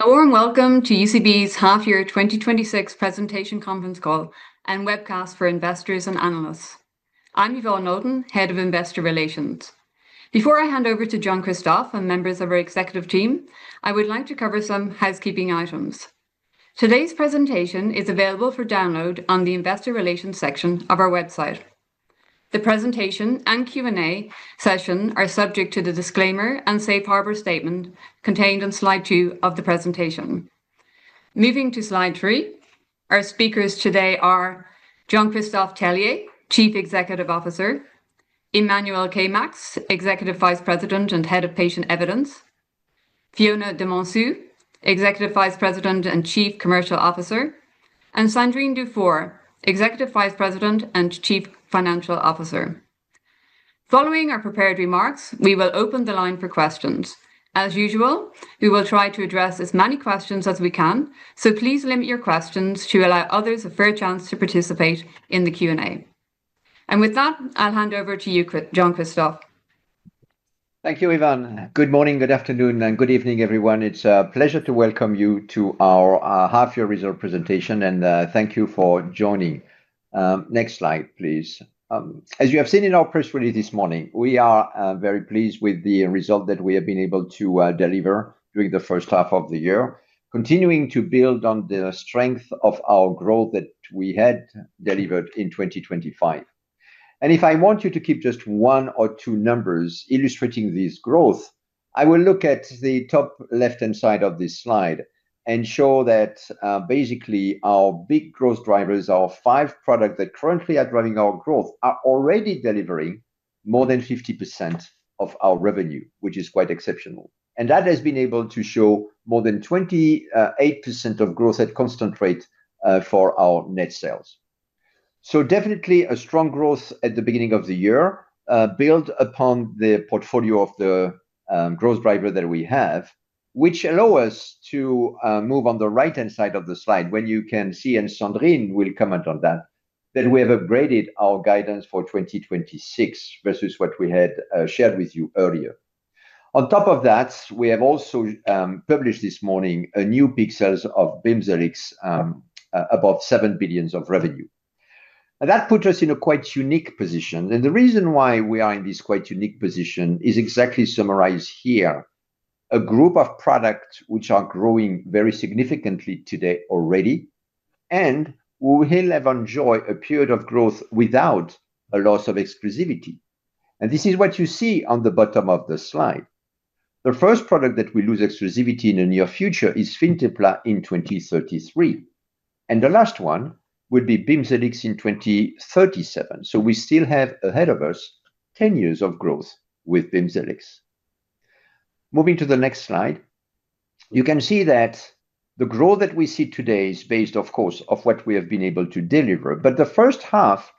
Hello, and welcome to UCB's half-year 2026 presentation conference call and webcast for investors and analysts. I'm Yvonne Naughton, Head of Investor Relations. Before I hand over to Jean-Christophe and members of our executive team, I would like to cover some housekeeping items. Today's presentation is available for download on the Investor Relations section of our website. The presentation and Q&A session are subject to the disclaimer and safe harbor statement contained on slide two of the presentation. Moving to slide three, our speakers today are Jean-Christophe Tellier, Chief Executive Officer, Emmanuel Caeymaex, Executive Vice President and Head of Patient Evidence, Fiona du Monceau, Executive Vice President and Chief Commercial Officer, and Sandrine Dufour, Executive Vice President and Chief Financial Officer. Following our prepared remarks, we will open the line for questions. As usual, we will try to address as many questions as we can. Please limit your questions to allow others a fair chance to participate in the Q&A. With that, I'll hand over to you, Jean-Christophe. Thank you, Yvonne. Good morning, good afternoon, and good evening, everyone. It's a pleasure to welcome you to our half-year result presentation, and thank you for joining. Next slide, please. As you have seen in our press release this morning, we are very pleased with the result that we have been able to deliver during the first half of the year, continuing to build on the strength of our growth that we had delivered in 2025. If I want you to keep just one or two numbers illustrating this growth, I will look at the top left-hand side of this slide and show that basically our big growth drivers, our five products that currently are driving our growth, are already delivering more than 50% of our revenue, which is quite exceptional. That has been able to show more than 28% of growth at constant rate for our net sales. So definitely a strong growth at the beginning of the year, built upon the portfolio of the growth driver that we have, which allow us to move on the right-hand side of the slide, where you can see, and Sandrine will comment on that we have upgraded our guidance for 2026 versus what we had shared with you earlier. On top of that, we have also published this morning a new peak sales of BIMZELX, above 7 billion of revenue. That put us in a quite unique position, and the reason why we are in this quite unique position is exactly summarized here. A group of products which are growing very significantly today already, and we will have enjoyed a period of growth without a loss of exclusivity. This is what you see on the bottom of the slide. The first product that will lose exclusivity in the near future is FINTEPLA in 2033, and the last one will be BIMZELX in 2037. We still have ahead of us 10 years of growth with BIMZELX. Moving to the next slide. You can see that the growth that we see today is based, of course, of what we have been able to deliver. The first half,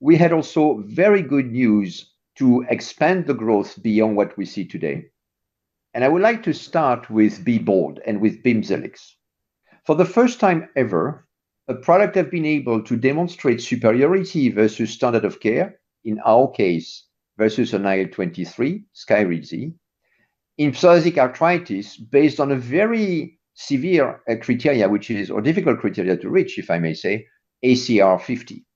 we had also very good news to expand the growth beyond what we see today. I would like to start with BE BOLD and with BIMZELX. For the first time ever, a product has been able to demonstrate superiority versus standard of care, in our case, versus IL-23, SKYRIZI, in psoriatic arthritis, based on a very severe criteria, or difficult criteria to reach, if I may say, ACR 50.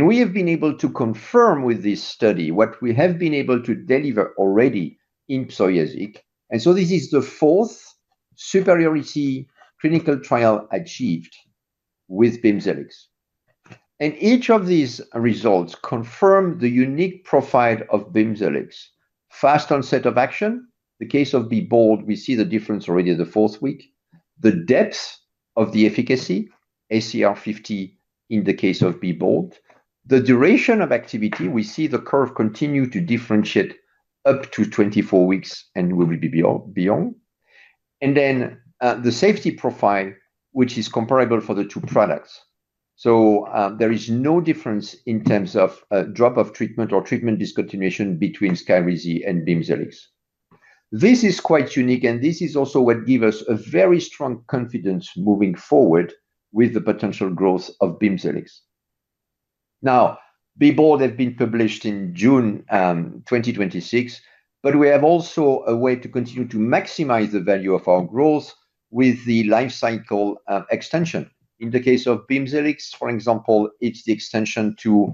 We have been able to confirm with this study what we have been able to deliver already in psoriatic. This is the fourth superiority clinical trial achieved with BIMZELX. Each of these results confirm the unique profile of BIMZELX. Fast onset of action. The case of BE BOLD, we see the difference already in the fourth week. The depth of the efficacy, ACR 50 in the case of BE BOLD. The duration of activity, we see the curve continue to differentiate up to 24 weeks and will be beyond. The safety profile, which is comparable for the two products. There is no difference in terms of drop of treatment or treatment discontinuation between SKYRIZI and BIMZELX. This is quite unique, and this is also what give us a very strong confidence moving forward with the potential growth of BIMZELX. BE BOLD have been published in June 2026, but we have also a way to continue to maximize the value of our growth with the life cycle extension. In the case of BIMZELX, for example, it's the extension to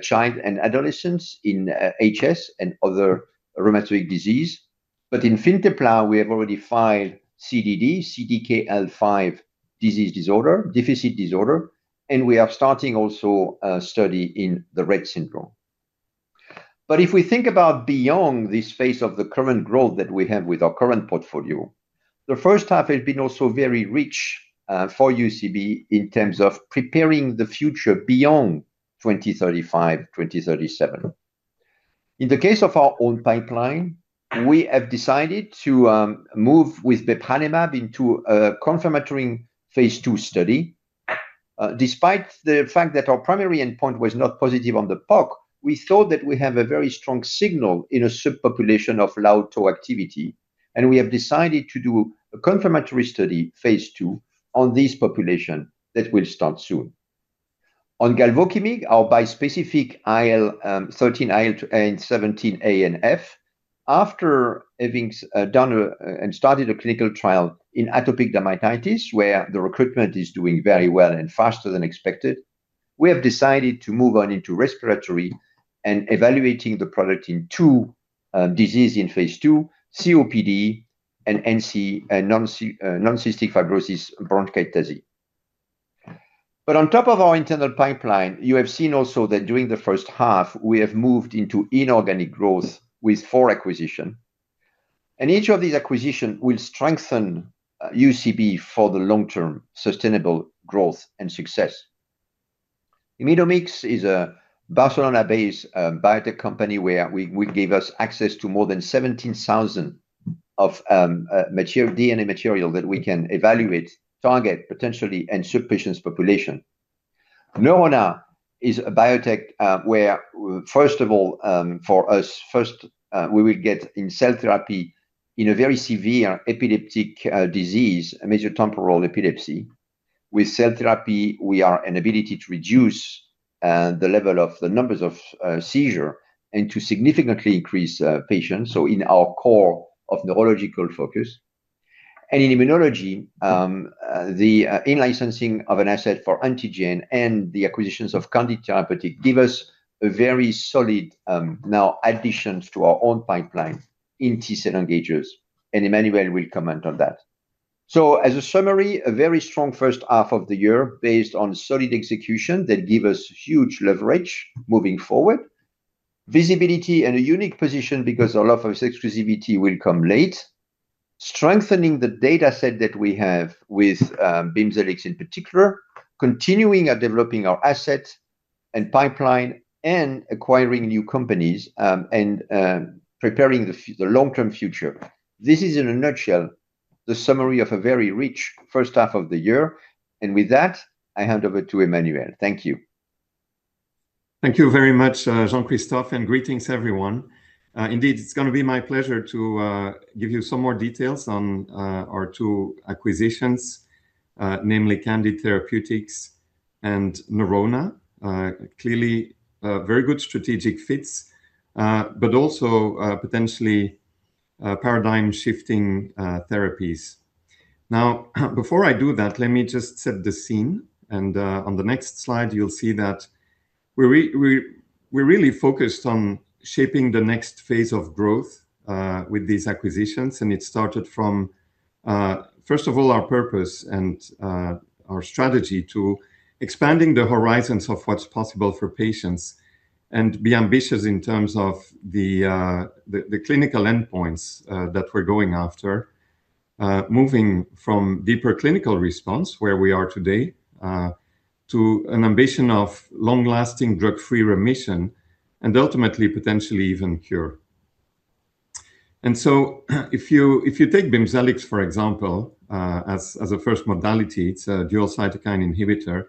child and adolescents in HS and other rheumatoid disease. In FINTEPLA, we have already filed CDD, CDKL5 disease disorder, deficit disorder, and we are starting also a study in the Rett syndrome. If we think about beyond this phase of the current growth that we have with our current portfolio, the first half has been also very rich for UCB in terms of preparing the future beyond 2035, 2037. In the case of our own pipeline, we have decided to move with bepranemab into a confirmatory phase II study. Despite the fact that our primary endpoint was not positive on the POC, we thought that we have a very strong signal in a subpopulation of low tau activity, and we have decided to do a confirmatory study phase II on this population that will start soon. Galvokimig, our bispecific IL-13, IL-17A and F, after having done and started a clinical trial in atopic dermatitis, where the recruitment is doing very well and faster than expected, we have decided to move on into respiratory and evaluating the product in two diseases in phase II, COPD and non-cystic fibrosis bronchiectasis. On top of our internal pipeline, you have seen also that during the first half, we have moved into inorganic growth with four acquisition. Each of these acquisition will strengthen UCB for the long-term sustainable growth and success. IMIDomics is a Barcelona-based biotech company where we give us access to more than 17,000 of DNA material that we can evaluate, target potentially, and switch patients' population. Neurona is a biotech where first of all, for us first, we will get in cell therapy in a very severe epileptic disease, a major temporal epilepsy. With cell therapy, we are an ability to reduce the level of the numbers of seizure and to significantly increase patients, so in our core of neurological focus. In immunology, the in-licensing of an asset for Antengene and the acquisitions of Candid Therapeutics give us a very solid now additions to our own pipeline in T-cell engagers, and Emmanuel will comment on that. As a summary, a very strong first half of the year based on solid execution that give us huge leverage moving forward. Visibility and a unique position because a lot of exclusivity will come late. Strengthening the data set that we have with BIMZELX in particular. Continuing and developing our asset and pipeline, acquiring new companies, and preparing the long-term future. This is in a nutshell, the summary of a very rich first half of the year. With that, I hand over to Emmanuel. Thank you. Thank you very much, Jean-Christophe, greetings everyone. Indeed, it's going to be my pleasure to give you some more details on our two acquisitions, namely Candid Therapeutics and Neurona. Clearly, very good strategic fits, but also potentially paradigm-shifting therapies. Before I do that, let me just set the scene. On the next slide, you'll see that we're really focused on shaping the next phase of growth with these acquisitions, and it started from first of all, our purpose and our strategy to expanding the horizons of what's possible for patients. Be ambitious in terms of the clinical endpoints that we're going after. Moving from deeper clinical response, where we are today, to an ambition of long-lasting drug-free remission, and ultimately, potentially even cure. If you take BIMZELX, for example, as a first modality, it's a dual cytokine inhibitor.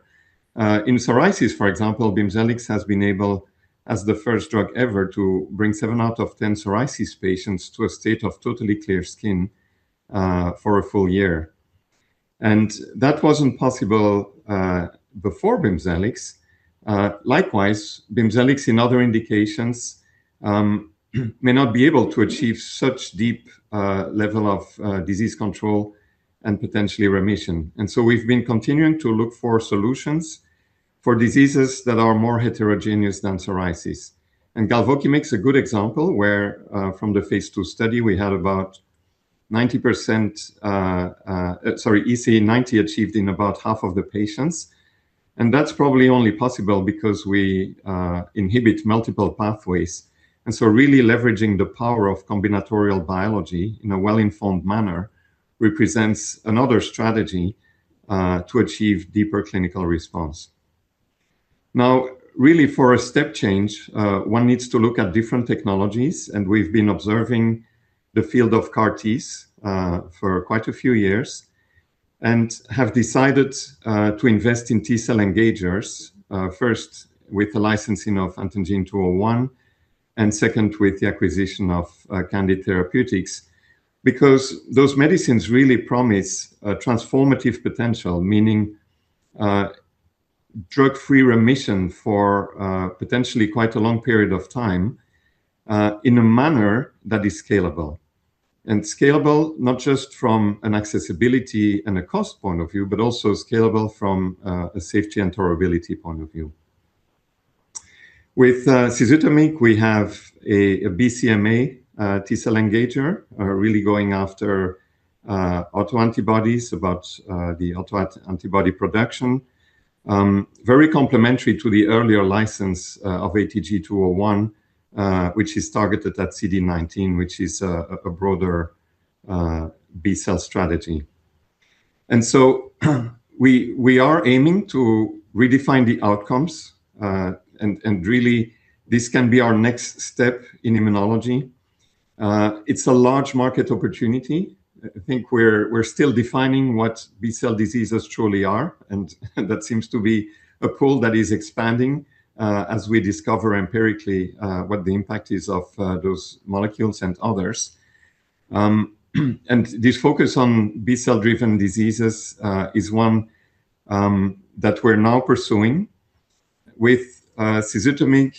In psoriasis, for example, BIMZELX has been able, as the first drug ever, to bring seven out of 10 psoriasis patients to a state of totally clear skin for a full year. That wasn't possible before BIMZELX. Likewise, BIMZELX in other indications may not be able to achieve such deep level of disease control and potentially remission. We've been continuing to look for solutions for diseases that are more heterogeneous than psoriasis. Galvokimig is a good example where from the phase II study, we had about 90%, sorry, EASI 90 achieved in about half of the patients. That's probably only possible because we inhibit multiple pathways. Really leveraging the power of combinatorial biology in a well-informed manner represents another strategy to achieve deeper clinical response. Now, really for a step change, one needs to look at different technologies, we've been observing the field of CAR T for quite a few years, and have decided to invest in T-cell engagers. First with the licensing of ATG-201, and second with the acquisition of Candid Therapeutics. Because those medicines really promise transformative potential, meaning drug-free remission for potentially quite a long period of time, in a manner that is scalable. Scalable, not just from an accessibility and a cost point of view, but also scalable from a safety and tolerability point of view. With cizutamig, we have a BCMA T-cell engager, really going after autoantibodies about the autoantibody production. Very complementary to the earlier license of ATG-201, which is targeted at CD19, which is a broader B-cell strategy. We are aiming to redefine the outcomes, and really this can be our next step in immunology. It's a large market opportunity. I think we're still defining what B-cell diseases truly are, and that seems to be a pool that is expanding as we discover empirically what the impact is of those molecules and others. This focus on B-cell driven diseases is one that we're now pursuing with Cizutamig.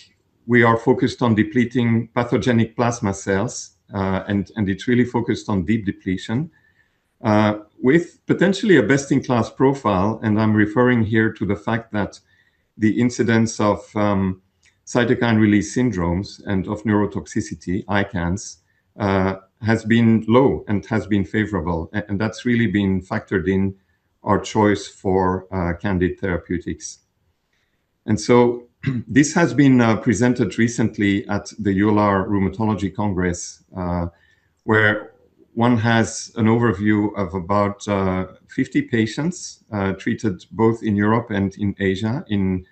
We are focused on depleting pathogenic plasma cells, and it's really focused on deep depletion, with potentially a best-in-class profile. I'm referring here to the fact that the incidence of cytokine release syndromes and of neurotoxicity, ICANS, has been low and has been favorable. That's really been factored in our choice for Candid Therapeutics. This has been presented recently at the EULAR Rheumatology Congress, where one has an overview of about 50 patients treated both in Europe and in Asia in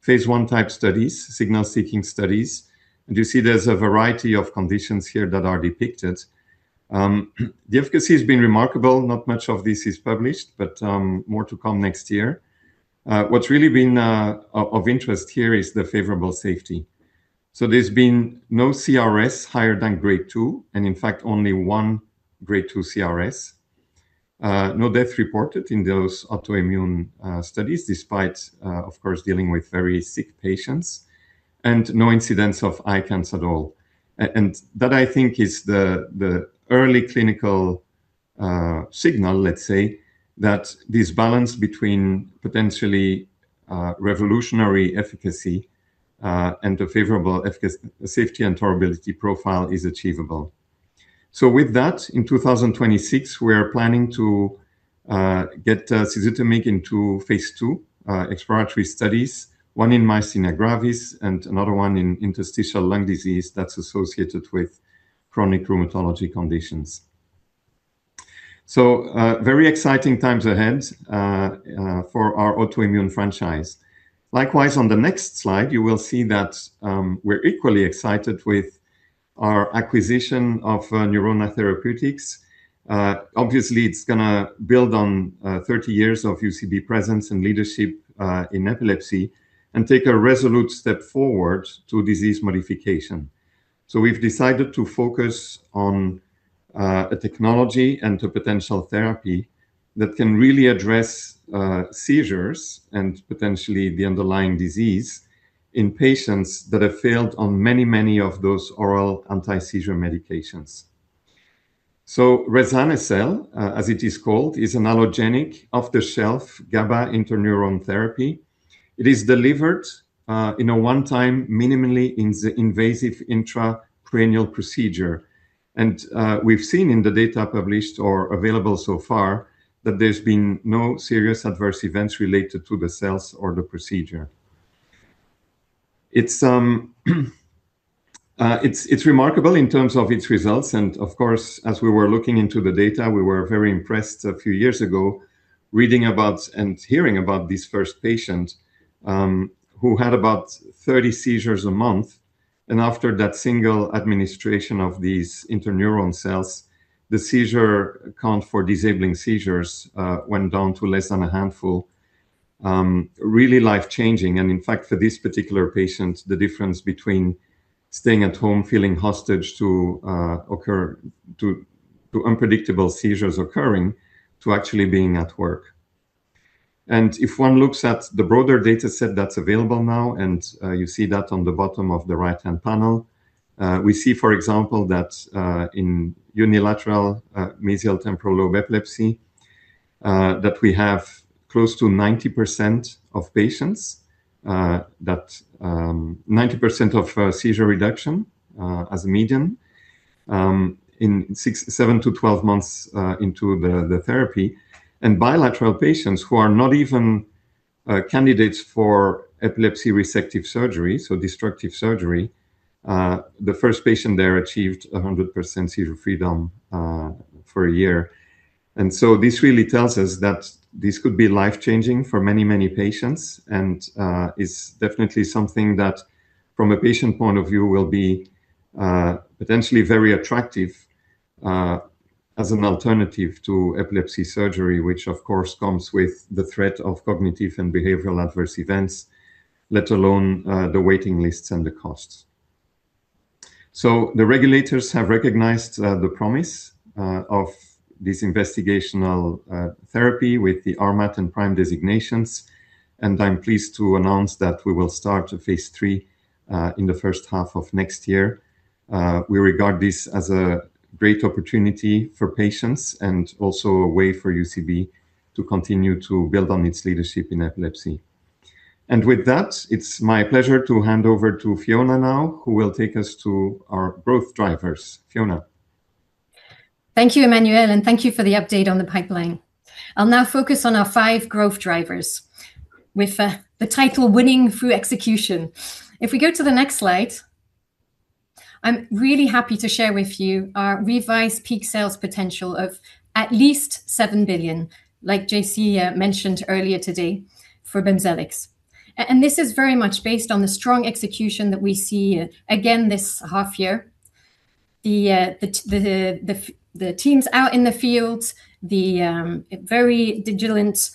phase I type studies, signal-seeking studies. You see there's a variety of conditions here that are depicted. The efficacy has been remarkable. Not much of this is published, but more to come next year. What's really been of interest here is the favorable safety. So there's been no CRS higher than Grade 2, and in fact, only one Grade 2 CRS. No death reported in those autoimmune studies, despite, of course, dealing with very sick patients, and no incidents of ICANS at all. That, I think, is the early clinical signal, let's say, that this balance between potentially revolutionary efficacy and the favorable safety and tolerability profile is achievable. In 2026, we are planning to get cizutamig into phase II exploratory studies, one in myasthenia gravis, and another one in interstitial lung disease that's associated with chronic rheumatology conditions. Very exciting times ahead for our autoimmune franchise. Likewise, on the next slide, you will see that we're equally excited with our acquisition of Neurona Therapeutics. Obviously, it's going to build on 30 years of UCB presence and leadership in epilepsy and take a resolute step forward to disease modification. We've decided to focus on a technology and a potential therapy that can really address seizures and potentially the underlying disease in patients that have failed on many of those oral anti-seizure medications. Rezanecel, as it is called, is an allogeneic off-the-shelf GABA interneuron therapy. It is delivered in a one-time, minimally invasive intracranial procedure. We've seen in the data published or available so far that there's been no serious adverse events related to the cells or the procedure. It's remarkable in terms of its results, of course, as we were looking into the data, we were very impressed a few years ago reading about and hearing about this first patient who had about 30 seizures a month. After that single administration of these interneuron cells, the seizure count for disabling seizures went down to less than a handful. Really life-changing. In fact, for this particular patient, the difference between staying at home feeling hostage to unpredictable seizures occurring, to actually being at work. If one looks at the broader data set that's available now, you see that on the bottom of the right-hand panel, we see, for example, that in unilateral mesial temporal lobe epilepsy, we have close to 90% of seizure reduction as a median in 7-12 months into the therapy. Bilateral patients who are not even candidates for epilepsy resective surgery, so destructive surgery, the first patient there achieved 100% seizure freedom for a year. This really tells us that this could be life-changing for many patients and is definitely something that, from a patient point of view, will be potentially very attractive as an alternative to epilepsy surgery, which of course comes with the threat of cognitive and behavioral adverse events, let alone the waiting lists and the costs. The regulators have recognized the promise of this investigational therapy with the RMAT and PRIME designations. I'm pleased to announce that we will start phase III in the first half of next year. We regard this as a great opportunity for patients and also a way for UCB to continue to build on its leadership in epilepsy. With that, it's my pleasure to hand over to Fiona now, who will take us to our growth drivers. Fiona? Thank you, Emmanuel, and thank you for the update on the pipeline. I'll now focus on our five growth drivers with the title, Winning Through Execution. If we go to the next slide, I'm really happy to share with you our revised peak sales potential of at least 7 billion, like J-C mentioned earlier today, for BIMZELX. This is very much based on the strong execution that we see again this half year. The teams out in the field, the very diligent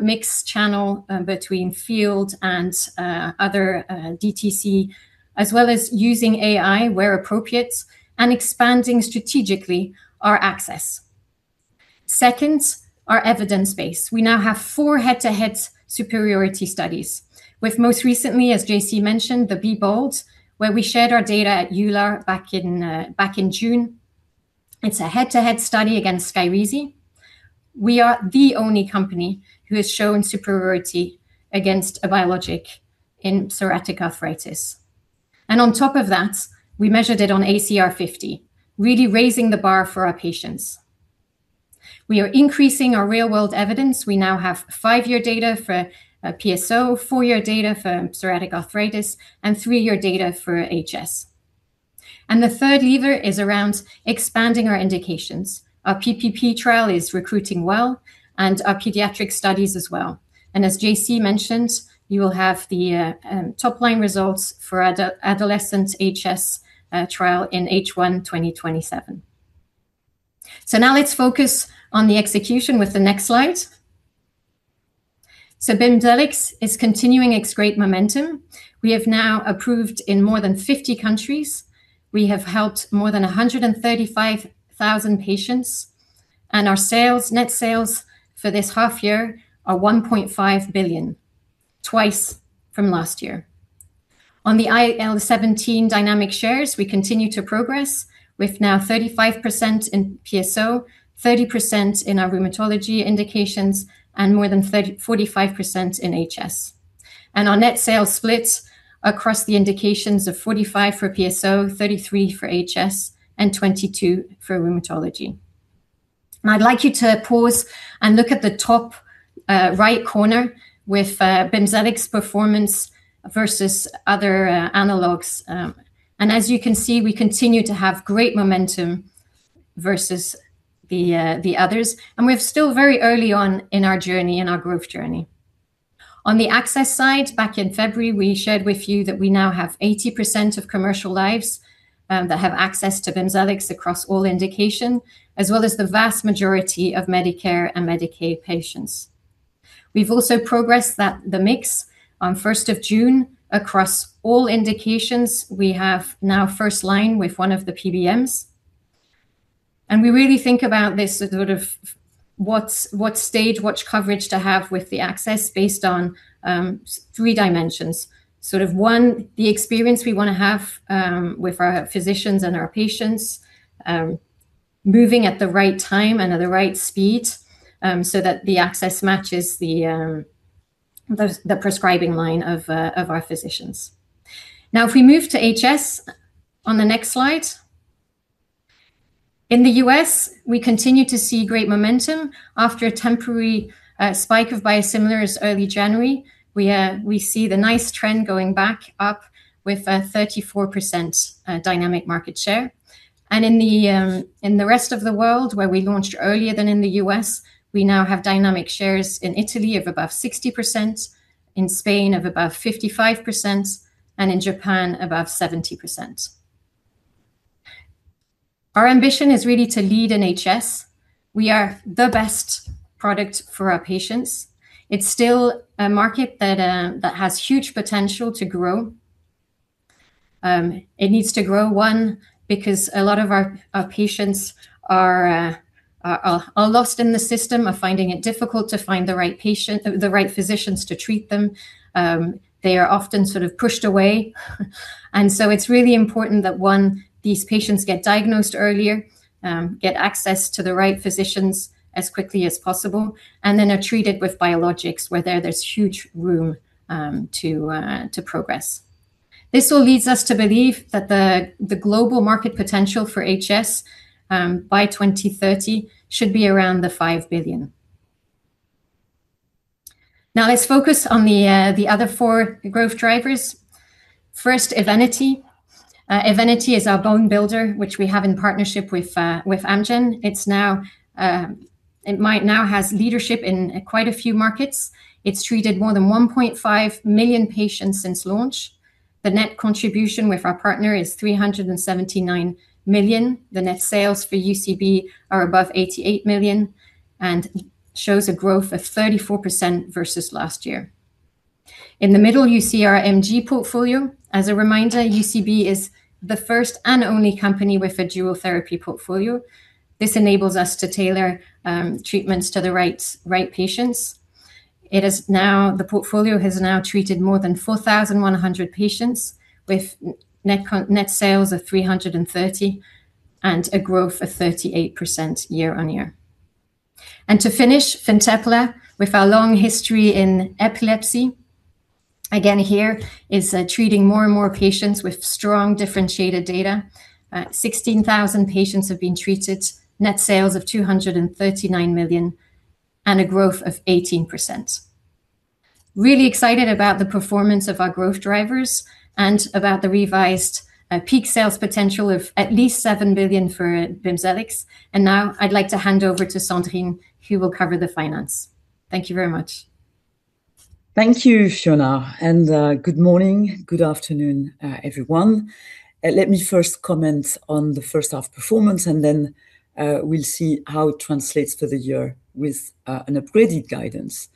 mixed channel between field and other DTC, as well as using AI where appropriate, and expanding strategically our access. Second, our evidence base. We now have four head-to-head superiority studies, with most recently, as J-C mentioned, the BE BOLD, where we shared our data at EULAR back in June. It's a head-to-head study against SKYRIZI. We are the only company who has shown superiority against a biologic in psoriatic arthritis. On top of that, we measured it on ACR 50, really raising the bar for our patients. We are increasing our real-world evidence. We now have five-year data for PSO, four-year data for psoriatic arthritis, and three-year data for HS. The third lever is around expanding our indications. Our PPP trial is recruiting well, and our pediatric studies as well. As J-C mentioned, you will have the top-line results for adolescent HS trial in H1 2027. Now let's focus on the execution with the next slide. Bimzelx is continuing its great momentum. We have now approved in more than 50 countries. We have helped more than 135,000 patients, and our net sales for this half year are 1.5 billion, twice from last year. On the IL-17 dynamic shares, we continue to progress with now 35% in PSO, 30% in our rheumatology indications, and more than 45% in HS. Our net sales splits across the indications of 45% for PSO, 33% for HS, and 22% for rheumatology. I'd like you to pause and look at the top right corner with Bimzelx performance versus other analogues. As you can see, we continue to have great momentum versus the others, and we're still very early on in our journey, in our growth journey. On the access side, back in February, we shared with you that we now have 80% of commercial lives that have access to Bimzelx across all indication, as well as the vast majority of Medicare and Medicaid patients. We've also progressed the mix. On 1st of June, across all indications, we have now first-line with one of the PBMs. We really think about this as sort of what stage, what coverage to have with the access based on three dimensions. Sort of one, the experience we want to have with our physicians and our patients, moving at the right time and at the right speed so that the access matches the prescribing line of our physicians. If we move to HS on the next slide. In the U.S., we continue to see great momentum after a temporary spike of biosimilars early January. We see the nice trend going back up with a 34% dynamic market share. In the rest of the world where we launched earlier than in the U.S., we now have dynamic shares in Italy of above 60%, in Spain of above 55%, and in Japan above 70%. Our ambition is really to lead in HS. We are the best product for our patients. It's still a market that has huge potential to grow. It needs to grow, one, because a lot of our patients are lost in the system of finding it difficult to find the right physicians to treat them. They are often sort of pushed away. So it's really important that, one, these patients get diagnosed earlier, get access to the right physicians as quickly as possible, and then are treated with biologics, where there's huge room to progress. This all leads us to believe that the global market potential for HS, by 2030, should be around 5 billion. Now let's focus on the other four growth drivers. First, Evenity. Evenity is our bone builder, which we have in partnership with Amgen. It might now has leadership in quite a few markets. It's treated more than 1.5 million patients since launch. The net contribution with our partner is 379 million. The net sales for UCB are above 88 million, and shows a growth of 34% versus last year. In the middle, you see our gMG portfolio. As a reminder, UCB is the first and only company with a dual therapy portfolio. This enables us to tailor treatments to the right patients. The portfolio has now treated more than 4,100 patients, with net sales of 330 million, and a growth of 38% year-on-year. To finish, FINTEPLA, with our long history in epilepsy, again, here is treating more and more patients with strong differentiated data. 16,000 patients have been treated, net sales of 239 million, and a growth of 18%. Really excited about the performance of our growth drivers and about the revised peak sales potential of at least 7 billion for BIMZELX. Now I'd like to hand over to Sandrine, who will cover the finance. Thank you very much. Thank you, Fiona. Good morning, good afternoon, everyone. Let me first comment on the first half performance, and then we'll see how it translates for the year with an upgraded guidance.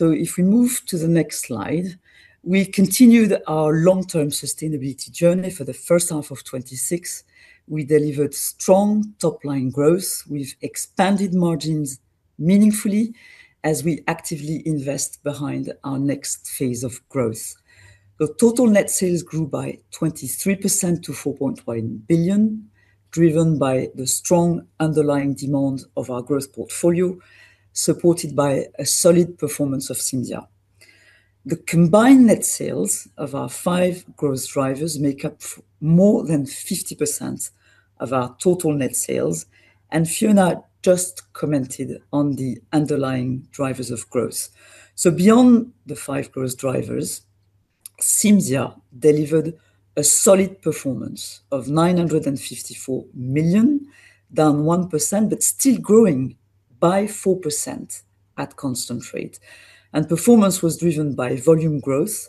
If we move to the next slide, we continued our long-term sustainability journey for the first half of 2026. We delivered strong top-line growth with expanded margins meaningfully, as we actively invest behind our next phase of growth. The total net sales grew by 23% to 4.1 billion, driven by the strong underlying demand of our growth portfolio, supported by a solid performance of CIMZIA. The combined net sales of our five growth drivers make up more than 50% of our total net sales, and Fiona just commented on the underlying drivers of growth. Beyond the five growth drivers, CIMZIA delivered a solid performance of 954 million, down 1%, but still growing by 4% at constant rate. Performance was driven by volume growth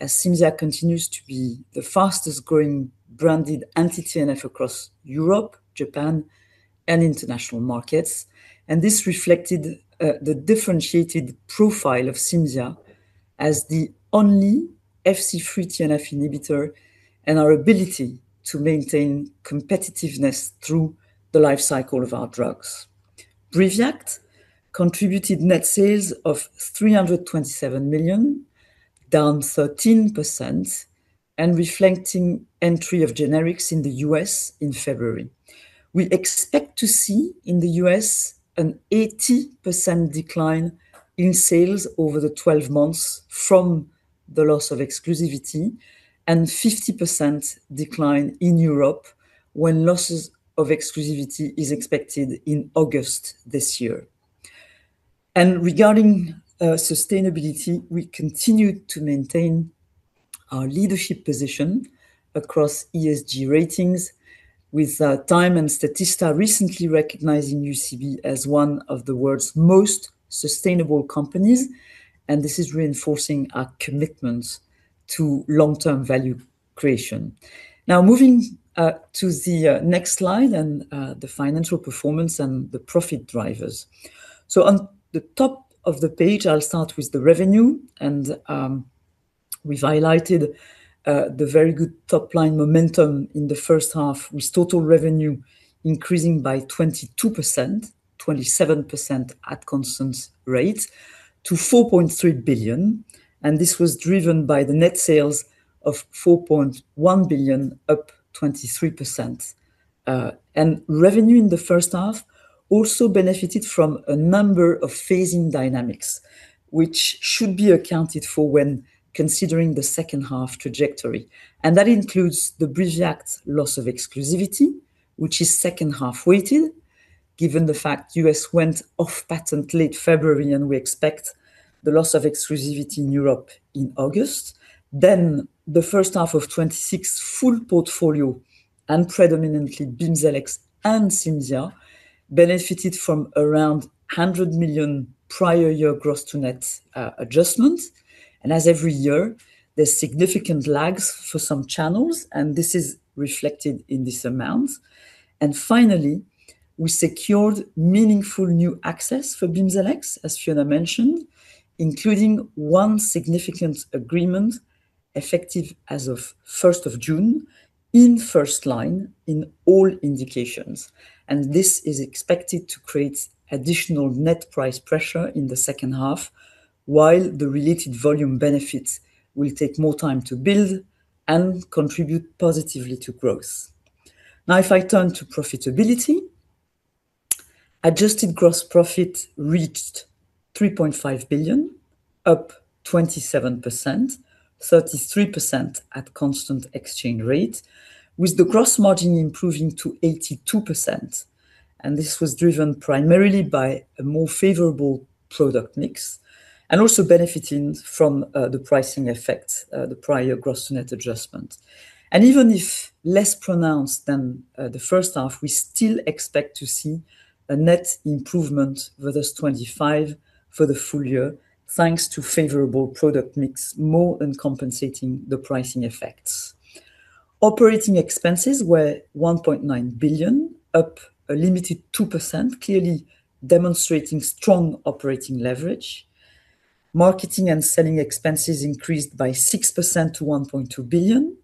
as CIMZIA continues to be the fastest growing branded anti-TNF across Europe, Japan, and international markets. This reflected the differentiated profile of CIMZIA as the only Fc-free TNF inhibitor and our ability to maintain competitiveness through the life cycle of our drugs. BRIVIACT contributed net sales of 327 million, down 13%, and reflecting entry of generics in the U.S. in February. We expect to see in the U.S. an 80% decline in sales over the 12 months from the loss of exclusivity and 50% decline in Europe, when losses of exclusivity is expected in August this year. Regarding sustainability, we continue to maintain our leadership position across ESG ratings with TIME and Statista recently recognizing UCB as one of the world's most sustainable companies, this is reinforcing our commitment to long-term value creation. Moving to the next slide and the financial performance and the profit drivers. On the top of the page, I'll start with the revenue, we've highlighted the very good top-line momentum in the first half with total revenue increasing by 22%, 27% at constant rate to 4.3 billion. This was driven by the net sales of 4.1 billion up 23%. Revenue in the first half also benefited from a number of phasing dynamics, which should be accounted for when considering the second half trajectory. That includes the BRIVIACT loss of exclusivity, which is second half weighted, given the fact U.S. went off patent late February, we expect the loss of exclusivity in Europe in August. The first half of 2026 full portfolio and predominantly BIMZELX and CIMZIA benefited from around 100 million prior year gross to net adjustments. As every year, there's significant lags for some channels, this is reflected in this amount. Finally, we secured meaningful new access for BIMZELX, as Fiona mentioned, including one significant agreement effective as of 1st of June in first line in all indications. This is expected to create additional net price pressure in the second half, while the related volume benefits will take more time to build and contribute positively to growth. If I turn to profitability. Adjusted gross profit reached 3.5 billion, up 27%, 33% at constant exchange rate, with the gross margin improving to 82%. This was driven primarily by a more favorable product mix also benefiting from the pricing effect, the prior gross to net adjustment. Even if less pronounced than the first half, we still expect to see a net improvement versus 2025 for the full year, thanks to favorable product mix more than compensating the pricing effects. Operating expenses were 1.9 billion, up a limited 2%, clearly demonstrating strong operating leverage. Marketing and selling expenses increased by 6% to 1.2 billion,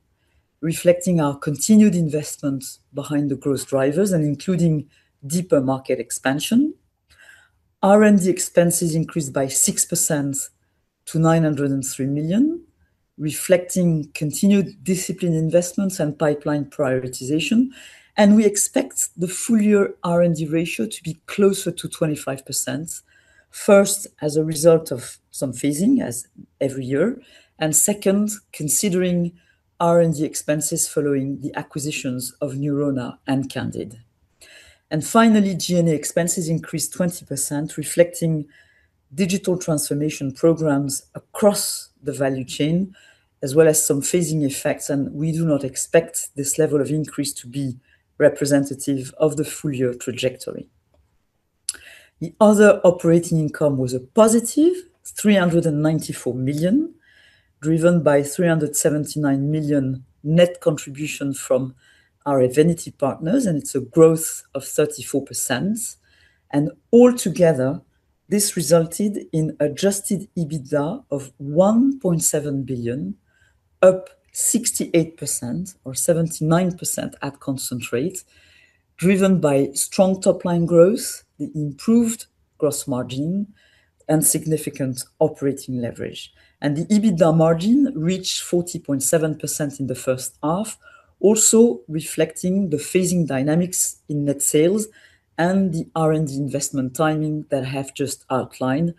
reflecting our continued investment behind the growth drivers including deeper market expansion. R&D expenses increased by 6% to 903 million, reflecting continued disciplined investments and pipeline prioritization. We expect the full year R&D ratio to be closer to 25%, first, as a result of some phasing as every year, second, considering R&D expenses following the acquisitions of Neurona and Candid. Finally, G&A expenses increased 20%, reflecting digital transformation programs across the value chain as well as some phasing effects, we do not expect this level of increase to be representative of the full year trajectory. The other operating income was a +394 million, driven by 379 million net contribution from our affinity partners, it's a growth of 34%. This resulted in adjusted EBITDA of 1.7 billion, up 68% or 79% at constant rates, driven by strong top-line growth, the improved gross margin, significant operating leverage. The EBITDA margin reached 40.7% in the first half, also reflecting the phasing dynamics in net sales and the R&D investment timing that I have just outlined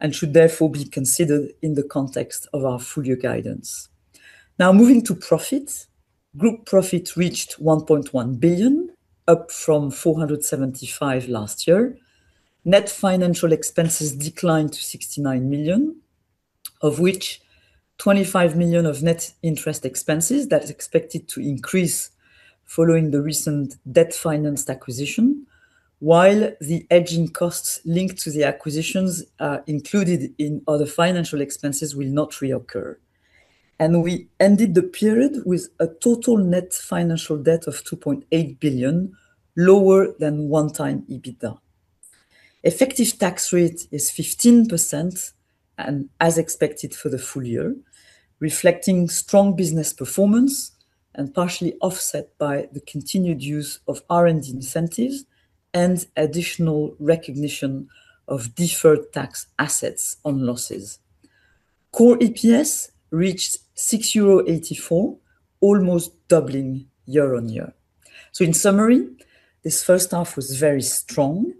and should therefore be considered in the context of our full-year guidance. Moving to profits. Group profits reached 1.1 billion, up from 475 last year. Net financial expenses declined to 69 million, of which 25 million of net interest expenses that is expected to increase following the recent debt-financed acquisition, while the hedging costs linked to the acquisitions are included in other financial expenses will not reoccur. We ended the period with a total net financial debt of 2.8 billion, lower than one-time EBITDA. Effective tax rate is 15%, as expected for the full year, reflecting strong business performance and partially offset by the continued use of R&D incentives and additional recognition of deferred tax assets on losses. Core EPS reached 6.84 euro, almost doubling year-on-year. In summary, this first half was very strong,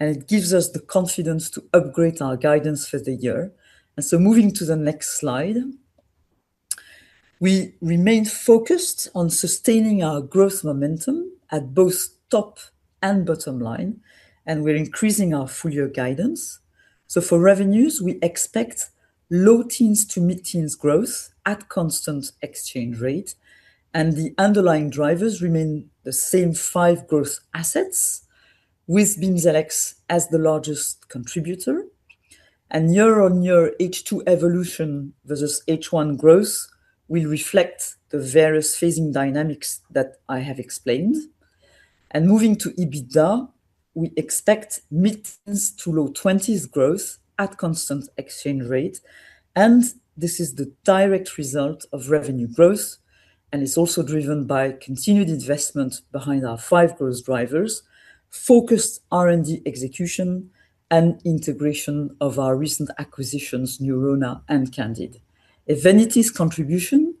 and it gives us the confidence to upgrade our guidance for the year. Moving to the next slide. We remain focused on sustaining our growth momentum at both top and bottom line, and we're increasing our full-year guidance. For revenues, we expect low teens to mid-teens growth at constant exchange rate, the underlying drivers remain the same five growth assets with BIMZELX as the largest contributor. Year-on-year H2 evolution versus H1 growth will reflect the various phasing dynamics that I have explained. Moving to EBITDA, we expect mid teens to low 20s growth at constant exchange rate, and this is the direct result of revenue growth, and it's also driven by continued investment behind our five growth drivers, focused R&D execution, and integration of our recent acquisitions, Neurona and Candid. EVENITY's contribution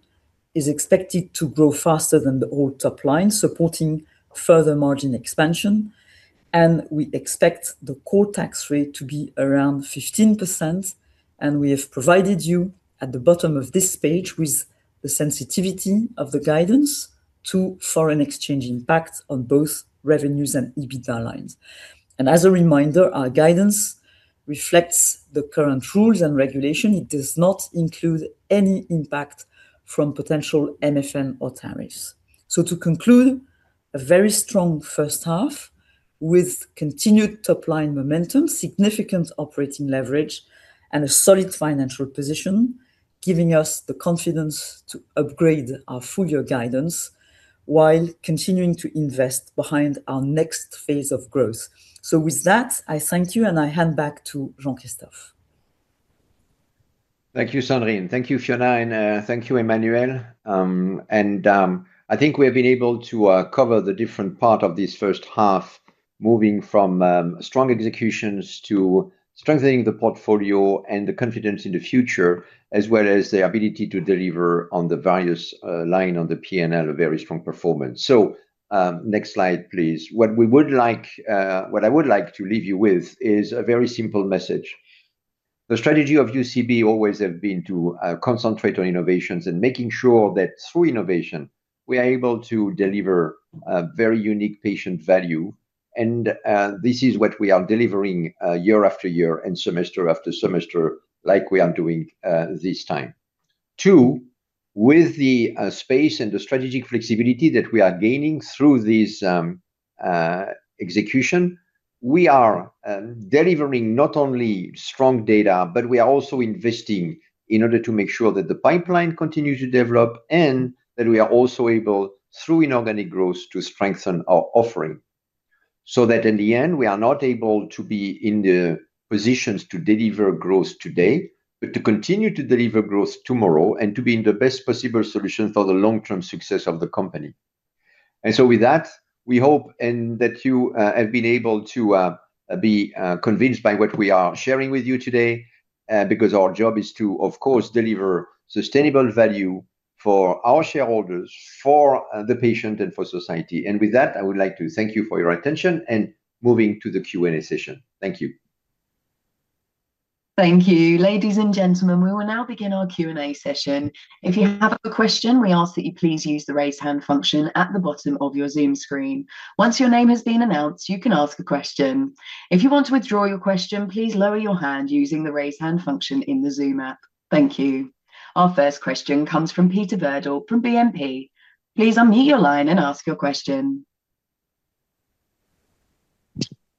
is expected to grow faster than the old top line, supporting further margin expansion, and we expect the core tax rate to be around 15%. We have provided you at the bottom of this page with the sensitivity of the guidance to foreign exchange impact on both revenues and EBITDA lines. As a reminder, our guidance reflects the current rules and regulation. It does not include any impact from potential MFN or tariffs. To conclude, a very strong first half with continued top-line momentum, significant operating leverage, and a solid financial position, giving us the confidence to upgrade our full-year guidance while continuing to invest behind our next phase of growth. With that, I thank you and I hand back to Jean-Christophe. Thank you, Sandrine. Thank you, Fiona, and thank you, Emmanuel. I think we have been able to cover the different part of this first half, moving from strong executions to strengthening the portfolio and the confidence in the future, as well as the ability to deliver on the various line on the P&L, a very strong performance. Next slide, please. What I would like to leave you with is a very simple message. The strategy of UCB always have been to concentrate on innovations and making sure that through innovation, we are able to deliver a very unique patient value. This is what we are delivering year after year and semester after semester, like we are doing this time. Two, with the space and the strategic flexibility that we are gaining through this execution, we are delivering not only strong data, but we are also investing in order to make sure that the pipeline continues to develop and that we are also able, through inorganic growth, to strengthen our offering. That in the end, we are not able to be in the positions to deliver growth today, but to continue to deliver growth tomorrow and to be in the best possible solution for the long-term success of the company. With that, we hope, and that you have been able to be convinced by what we are sharing with you today, because our job is to, of course, deliver sustainable value for our shareholders, for the patient, and for society. With that, I would like to thank you for your attention and moving to the Q&A session. Thank you. Thank you. Ladies and gentlemen, we will now begin our Q&A session. If you have a question, we ask that you please use the raise hand function at the bottom of your Zoom screen. Once your name has been announced, you can ask a question. If you want to withdraw your question, please lower your hand using the raise hand function in the Zoom app. Thank you. Our first question comes from Peter Verdult from BNP. Please unmute your line and ask your question.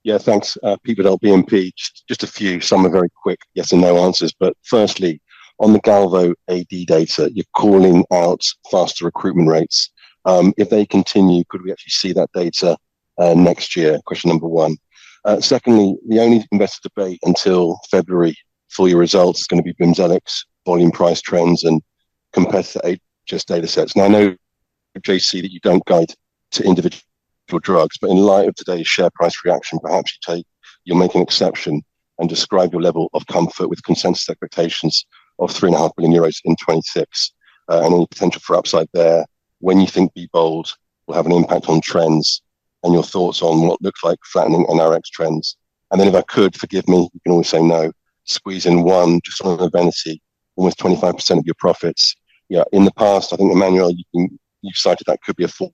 Yeah. Thanks. Peter Verdult, BNP. Just a few. Some are very quick yes or no answers. Firstly, on the Galvo AD data, you're calling out faster recruitment rates. If they continue, could we actually see that data next year? Question number one. Secondly, the only investor debate until February full year results is going to be BIMZELX volume price trends and compared to the HS data sets. I know, J-C, that you don't guide to individual drugs, in light of today's share price reaction, perhaps you'll make an exception and describe your level of comfort with consensus expectations of 3.5 billion euros in 2026, and any potential for upside there. When you think BE BOLD will have an impact on trends, and your thoughts on what looks like flattening NBRx trends. If I could, forgive me, you can always say no. Squeeze in one just on EVENITY. Almost 25% of your profits. In the past, I think, Emmanuel Caeymaex, you've cited that could be a 4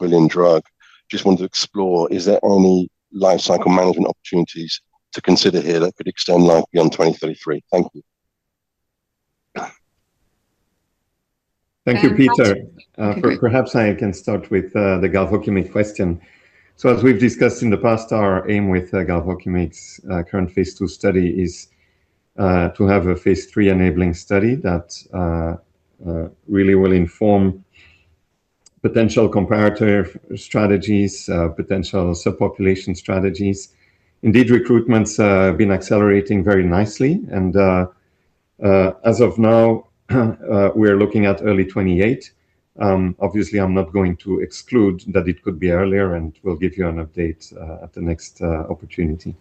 billion drug. Just wanted to explore, is there any life cycle management opportunities to consider here that could extend life beyond 2033? Thank you. Thank you, Peter. Perhaps I can start with the Galvokimig question. As we've discussed in the past, our aim with Galvokimig's current phase II study is to have a phase III-enabling study that really will inform potential comparator strategies, potential subpopulation strategies. Indeed, recruitment's been accelerating very nicely. As of now, we're looking at early 2028. Obviously, I'm not going to exclude that it could be earlier, and we'll give you an update at the next opportunity.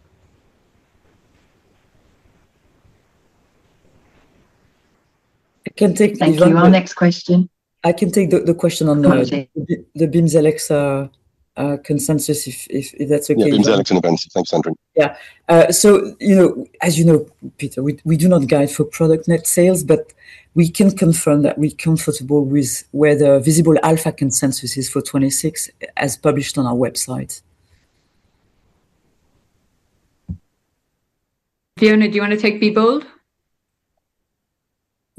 I can take. Thank you. Our next question. I can take the question on- Go on, Sandrine. the BIMZELX consensus, if that's okay. Yeah, BIMZELX and EVENITY. Thanks, Sandrine. Yeah. As you know, Peter, we do not guide for product net sales, but we can confirm that we're comfortable with where the Visible Alpha consensus is for 2026 as published on our website. Fiona, do you want to take BE BOLD?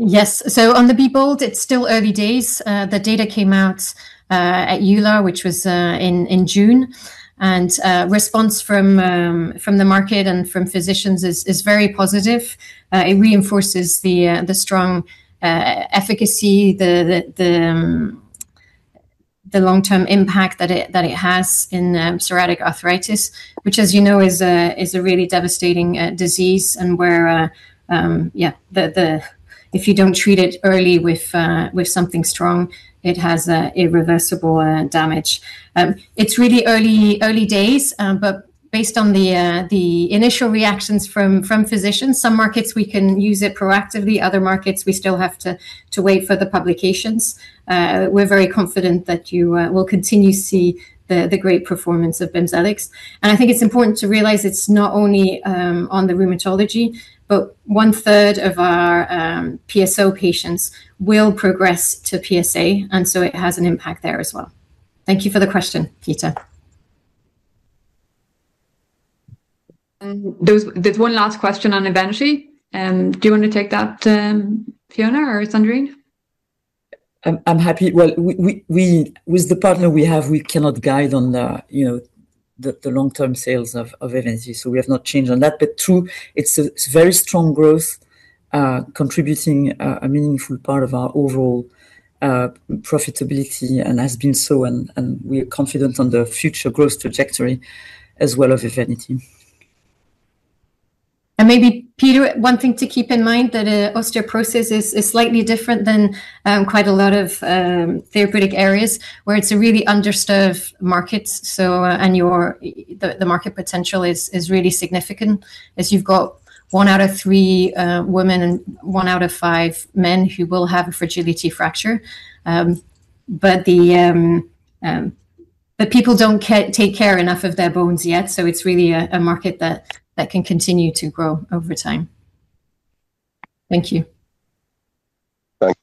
Yes. On the BE BOLD, it's still early days. The data came out at EULAR, which was in June. Response from the market and from physicians is very positive. It reinforces the strong efficacy, the long-term impact that it has in psoriatic arthritis, which, as you know, is a really devastating disease and where, if you don't treat it early with something strong, it has irreversible damage. It's really early days, but based on the initial reactions from physicians, some markets we can use it proactively, other markets, we still have to wait for the publications. We're very confident that you will continue to see the great performance of BIMZELX. I think it's important to realize it's not only on the rheumatology, but one-third of our PSO patients will progress to PsA, it has an impact there as well. Thank you for the question, Peter. There's one last question on EVENITY. Do you want to take that, Fiona or Sandrine? Well, with the partner we have, we cannot guide on the long-term sales of EVENITY, we have not changed on that. True, it's very strong growth, contributing a meaningful part of our overall profitability and has been so, we are confident on the future growth trajectory as well of EVENITY. Maybe, Peter, one thing to keep in mind that osteoporosis is slightly different than quite a lot of therapeutic areas, where it's a really underserved market. The market potential is really significant, as you've got one out of three women and one out of five men who will have a fragility fracture. People don't take care enough of their bones yet, it's really a market that can continue to grow over time. Thank you. Thanks.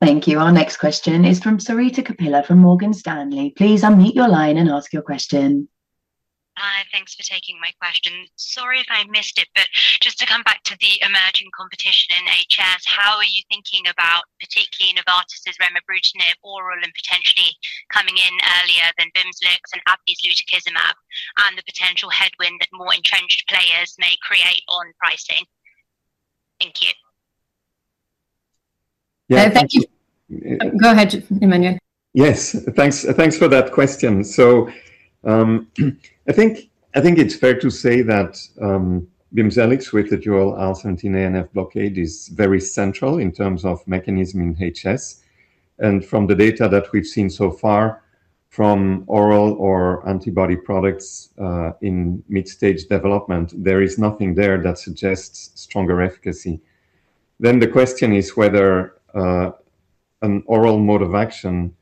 Thank you. Our next question is from Sarita Kapila from Morgan Stanley. Please unmute your line and ask your question. Hi. Thanks for taking my question. Sorry if I missed it, just to come back to the emerging competition in HS, how are you thinking about particularly Novartis' remibrutinib oral and potentially coming in earlier than BIMZELX and AbbVie's lutikizumab, and the potential headwind that more entrenched players may create on pricing? Thank you. Yeah. Thank you. Go ahead, Emmanuel. Yes. Thanks for that question. I think it's fair to say that BIMZELX with the dual IL-17A and F blockade is very central in terms of mechanism in HS. From the data that we've seen so far from oral or antibody products in mid-stage development, there is nothing there that suggests stronger efficacy. The question is whether an oral mode of action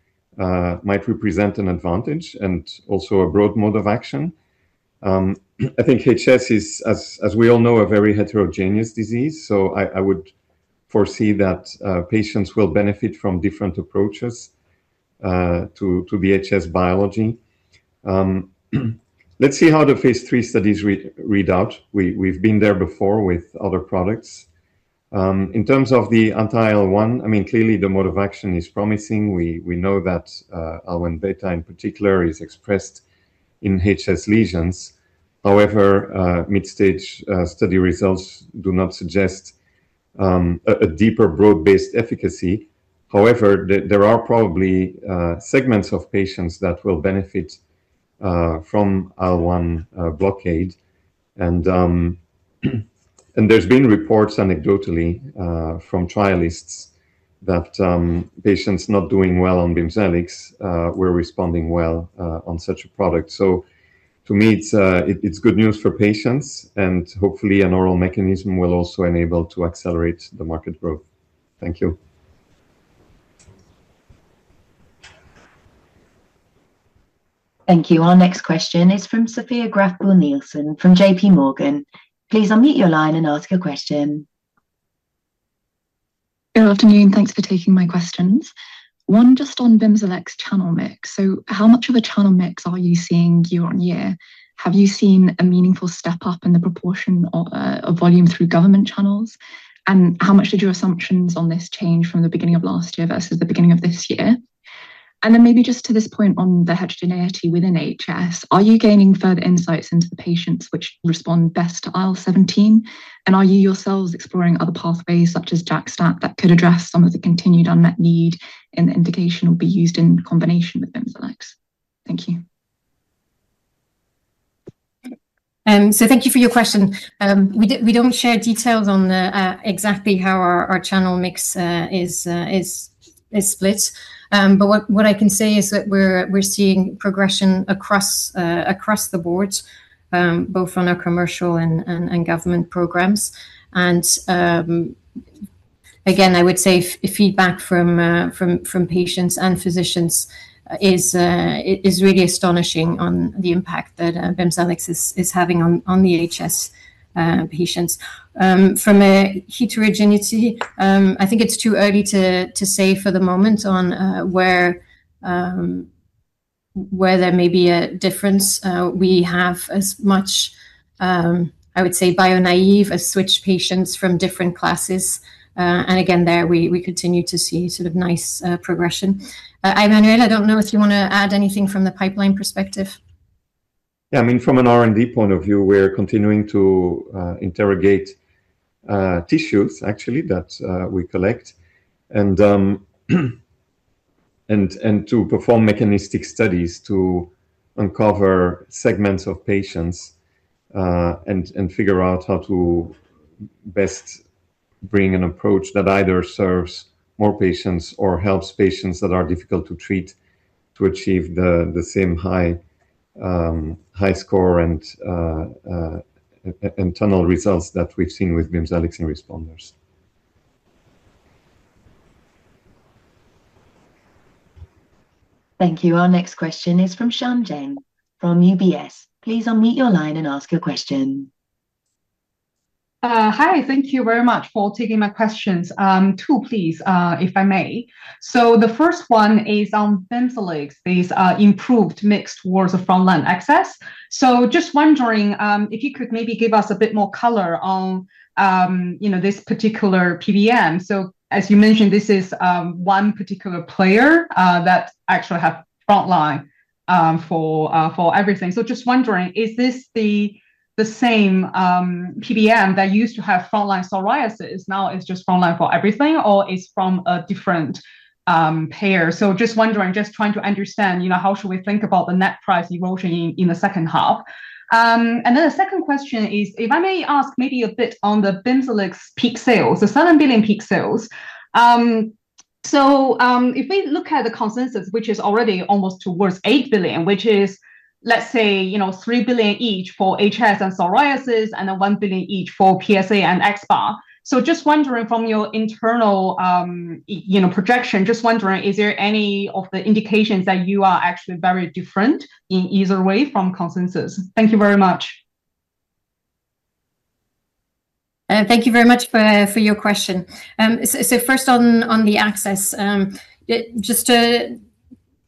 might represent an advantage and also a broad mode of action. I think HS is, as we all know, a very heterogeneous disease, I would foresee that patients will benefit from different approaches to the HS biology. Let's see how the phase III studies read out. We've been there before with other products. In terms of the anti-IL-1, clearly the mode of action is promising. We know that IL-1 beta in particular is expressed in HS lesions. However, mid-stage study results do not suggest a deeper broad-based efficacy. However, there are probably segments of patients that will benefit from IL-1 blockade. There's been reports anecdotally from trialists that patients not doing well on BIMZELX were responding well on such a product. To me, it's good news for patients, and hopefully an oral mechanism will also enable to accelerate the market growth. Thank you. Thank you. Our next question is from Sophia Graeff Buhl-Nielsen from JPMorgan. Please unmute your line and ask your question. Good afternoon. Thanks for taking my questions. One just on BIMZELX channel mix. How much of a channel mix are you seeing year-on-year? Have you seen a meaningful step up in the proportion of volume through government channels? How much did your assumptions on this change from the beginning of last year versus the beginning of this year? Then maybe just to this point on the heterogeneity within HS, are you gaining further insights into the patients which respond best to IL-17? Are you yourselves exploring other pathways such as JAK/STAT that could address some of the continued unmet need in the indication will be used in combination with BIMZELX? Thank you. Thank you for your question. We don't share details on exactly how our channel mix is split. What I can say is that we're seeing progression across the board, both on our commercial and government programs. Again, I would say feedback from patients and physicians is really astonishing on the impact that BIMZELX is having on the HS patients. From a heterogeneity, I think it's too early to say for the moment on where there may be a difference. We have as much, I would say, bio-naive as switch patients from different classes. Again, there we continue to see sort of nice progression. Emmanuel, I don't know if you want to add anything from the pipeline perspective. Yeah, from an R&D point of view, we're continuing to interrogate tissues actually that we collect and to perform mechanistic studies to uncover segments of patients, and figure out how to best bring an approach that either serves more patients or helps patients that are difficult to treat to achieve the same high score and internal results that we've seen with BIMZELX in responders. Thank you. Our next question is from Xian Deng from UBS. Please unmute your line and ask your question. Hi, thank you very much for taking my questions. Two please, if I may. The first one is on BIMZELX, this improved mix towards the frontline access. Just wondering if you could maybe give us a bit more color on this particular PBM. As you mentioned, this is one particular player that actually have frontline for everything. Just wondering, is this the same PBM that used to have frontline psoriasis, now it's just frontline for everything, or it's from a different pair? Just wondering, just trying to understand, how should we think about the net price erosion in the second half? The second question is, if I may ask maybe a bit on the BIMZELX peak sales, the 7 billion peak sales. If we look at the consensus, which is already almost towards 8 billion, which is, let's say, 3 billion each for HS and psoriasis, 1 billion each for PsA and axSpA. Just wondering from your internal projection, just wondering, is there any of the indications that you are actually very different in either way from consensus? Thank you very much. Thank you very much for your question. First on the access.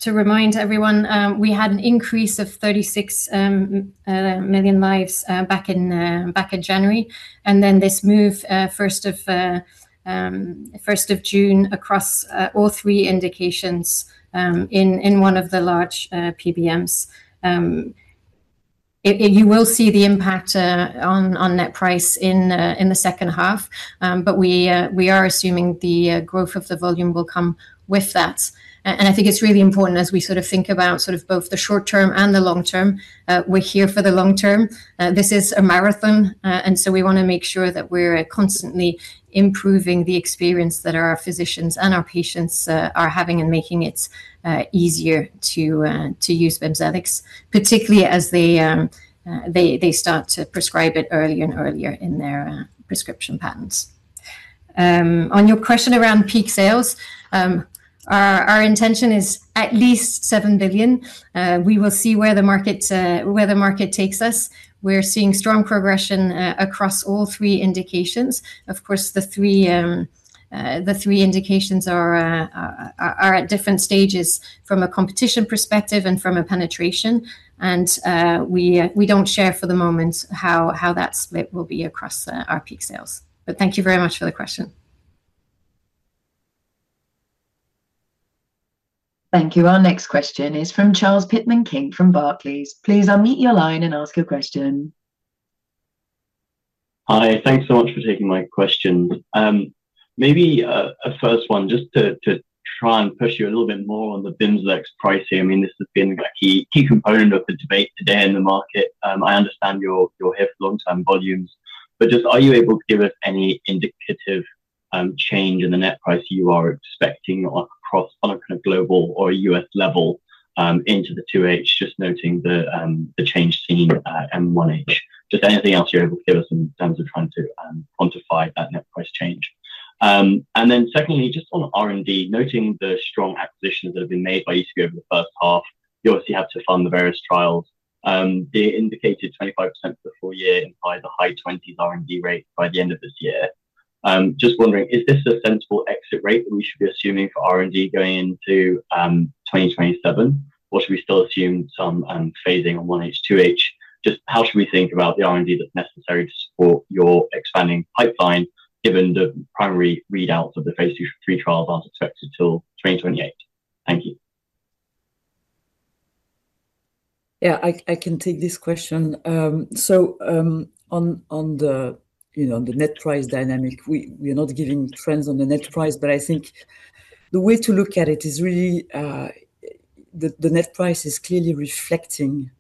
Just to remind everyone, we had an increase of 36 million lives back in January, then this move 1st of June across all three indications in one of the large PBMs. You will see the impact on net price in the second half. We are assuming the growth of the volume will come with that. I think it's really important as we sort of think about both the short term and the long term. We're here for the long term. This is a marathon, we want to make sure that we're constantly improving the experience that our physicians and our patients are having and making it easier to use BIMZELX, particularly as they start to prescribe it earlier and earlier in their prescription patterns. On your question around peak sales, our intention is at least 7 billion. We will see where the market takes us. We're seeing strong progression across all three indications. Of course, the three indications are at different stages from a competition perspective and from a penetration. We don't share for the moment how that split will be across our peak sales. Thank you very much for the question. Thank you. Our next question is from Charles Pitman-King from Barclays. Please unmute your line and ask your question. Hi. Thanks so much for taking my questions. Maybe a first one just to try and push you a little bit more on the BIMZELX pricing. This has been a key component of the debate today in the market. I understand you hope long-term volumes, just are you able to give us any indicative change in the net price you are expecting across on a kind of global or U.S. level into the 2H, just noting the change seen at 1H? Just anything else you're able to give us in terms of trying to quantify that net price change. Secondly, just on R&D, noting the strong acquisitions that have been made by UCB over the first half, you obviously have to fund the various trials. They indicated 25% for the full year, imply the high 20s R&D rate by the end of this year. Just wondering, is this a sensible exit rate that we should be assuming for R&D going into 2027? Or should we still assume some phasing on 1H, 2H? Just how should we think about the R&D that's necessary to support your expanding pipeline, given the primary readouts of the phase II, III trials aren't expected till 2028? Thank you. Yeah, I can take this question. On the net price dynamic, we're not giving trends on the net price, but I think the way to look at it is really the net price is clearly reflecting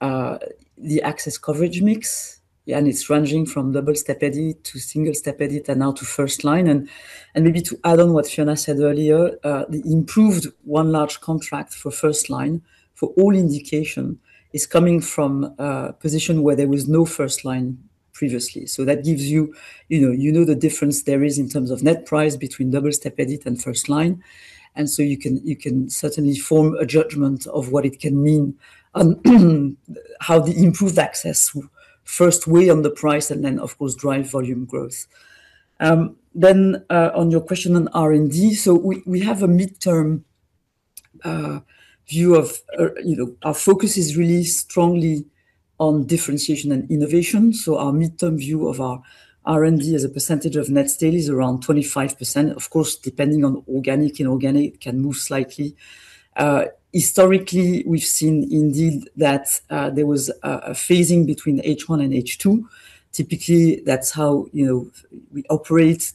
the access coverage mix, and it's ranging from double step edit to single step edit and now to first line. Maybe to add on what Fiona said earlier, the improved one large contract for first line for all indication is coming from a position where there was no first line previously. That gives you know the difference there is in terms of net price between double step edit and first line. You can certainly form a judgment of what it can mean on how the improved access first weigh on the price and then of course, drive volume growth. On your question on R&D. We have a midterm view of our focus is really strongly on differentiation and innovation. Our midterm view of our R&D as a percentage of net sales is around 25%. Of course, depending on organic, inorganic can move slightly. Historically, we've seen indeed that there was a phasing between H1 and H2. Typically, that's how we operate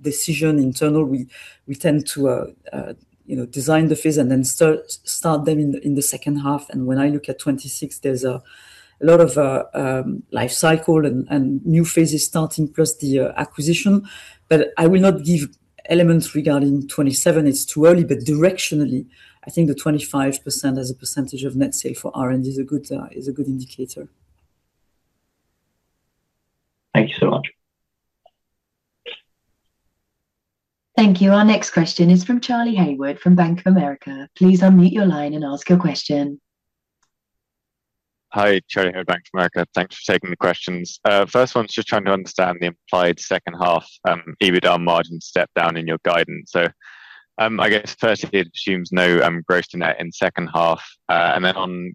decision internal. We tend to design the phase and then start them in the second half. When I look at 2026, there's a lot of life cycle and new phases starting plus the acquisition. I will not give elements regarding 2027. It's too early, directionally, I think the 25% as a percentage of net sales for R&D is a good indicator. Thank you so much. Thank you. Our next question is from Charlie Haywood from Bank of America. Please unmute your line and ask your question. Hi, Charlie here, Bank of America. Thanks for taking the questions. First one's just trying to understand the implied second half EBITDA margin step down in your guidance. I guess firstly, it assumes no gross to net in second half. On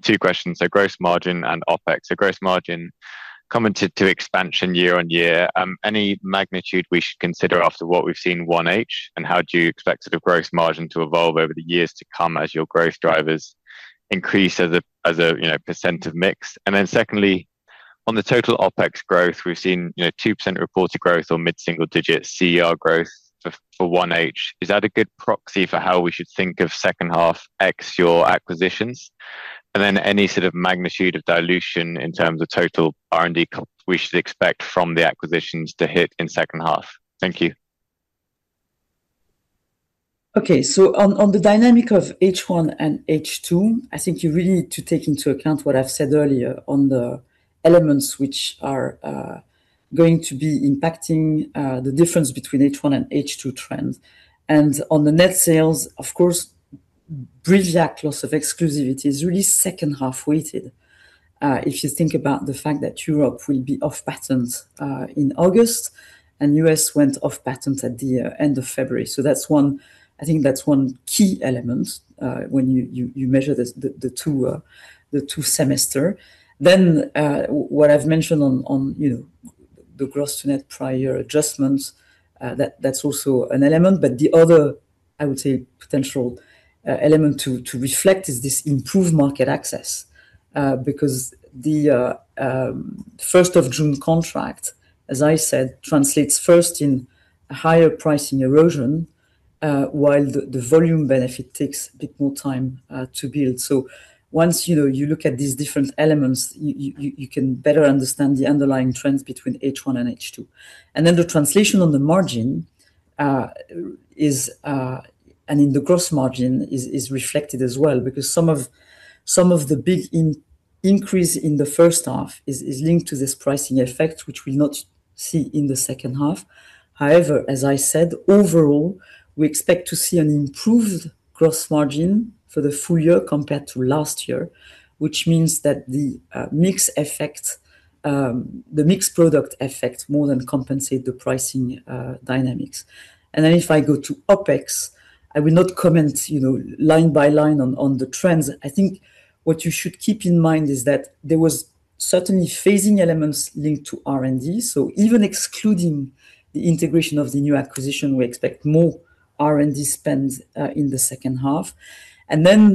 two questions, gross margin and OpEx. Gross margin commented to expansion year-on-year. Any magnitude we should consider after what we've seen 1H? How do you expect sort of gross margin to evolve over the years to come as your growth drivers increase as a percent of mix? Secondly, on the total OpEx growth, we've seen 2% reported growth or mid-single digit CER growth for 1H. Is that a good proxy for how we should think of second half ex your acquisitions? Any sort of magnitude of dilution in terms of total R&D we should expect from the acquisitions to hit in second half? Thank you. Okay. On the dynamic of H1 and H2, I think you really need to take into account what I've said earlier on the elements which are going to be impacting the difference between H1 and H2 trends. On the net sales, of course, BRIVIACT loss of exclusivity is really second half weighted. If you think about the fact that Europe will be off patents in August, and U.S. went off patents at the end of February. I think that's one key element, when you measure the two semester. What I've mentioned on the gross to net prior adjustments that's also an element. The other, I would say, potential element to reflect is this improved market access. Because the 1st of June contract, as I said, translates first in higher pricing erosion, while the volume benefit takes a bit more time to build. Once you look at these different elements, you can better understand the underlying trends between H1 and H2. The translation on the margin and in the gross margin is reflected as well, because some of the big increase in the first half is linked to this pricing effect, which we will not see in the second half. However, as I said, overall, we expect to see an improved gross margin for the full year compared to last year, which means that the mix product effects more than compensate the pricing dynamics. If I go to OpEx, I will not comment line by line on the trends. I think what you should keep in mind is that there was certainly phasing elements linked to R&D. Even excluding the integration of the new acquisition, we expect more R&D spend in the second half.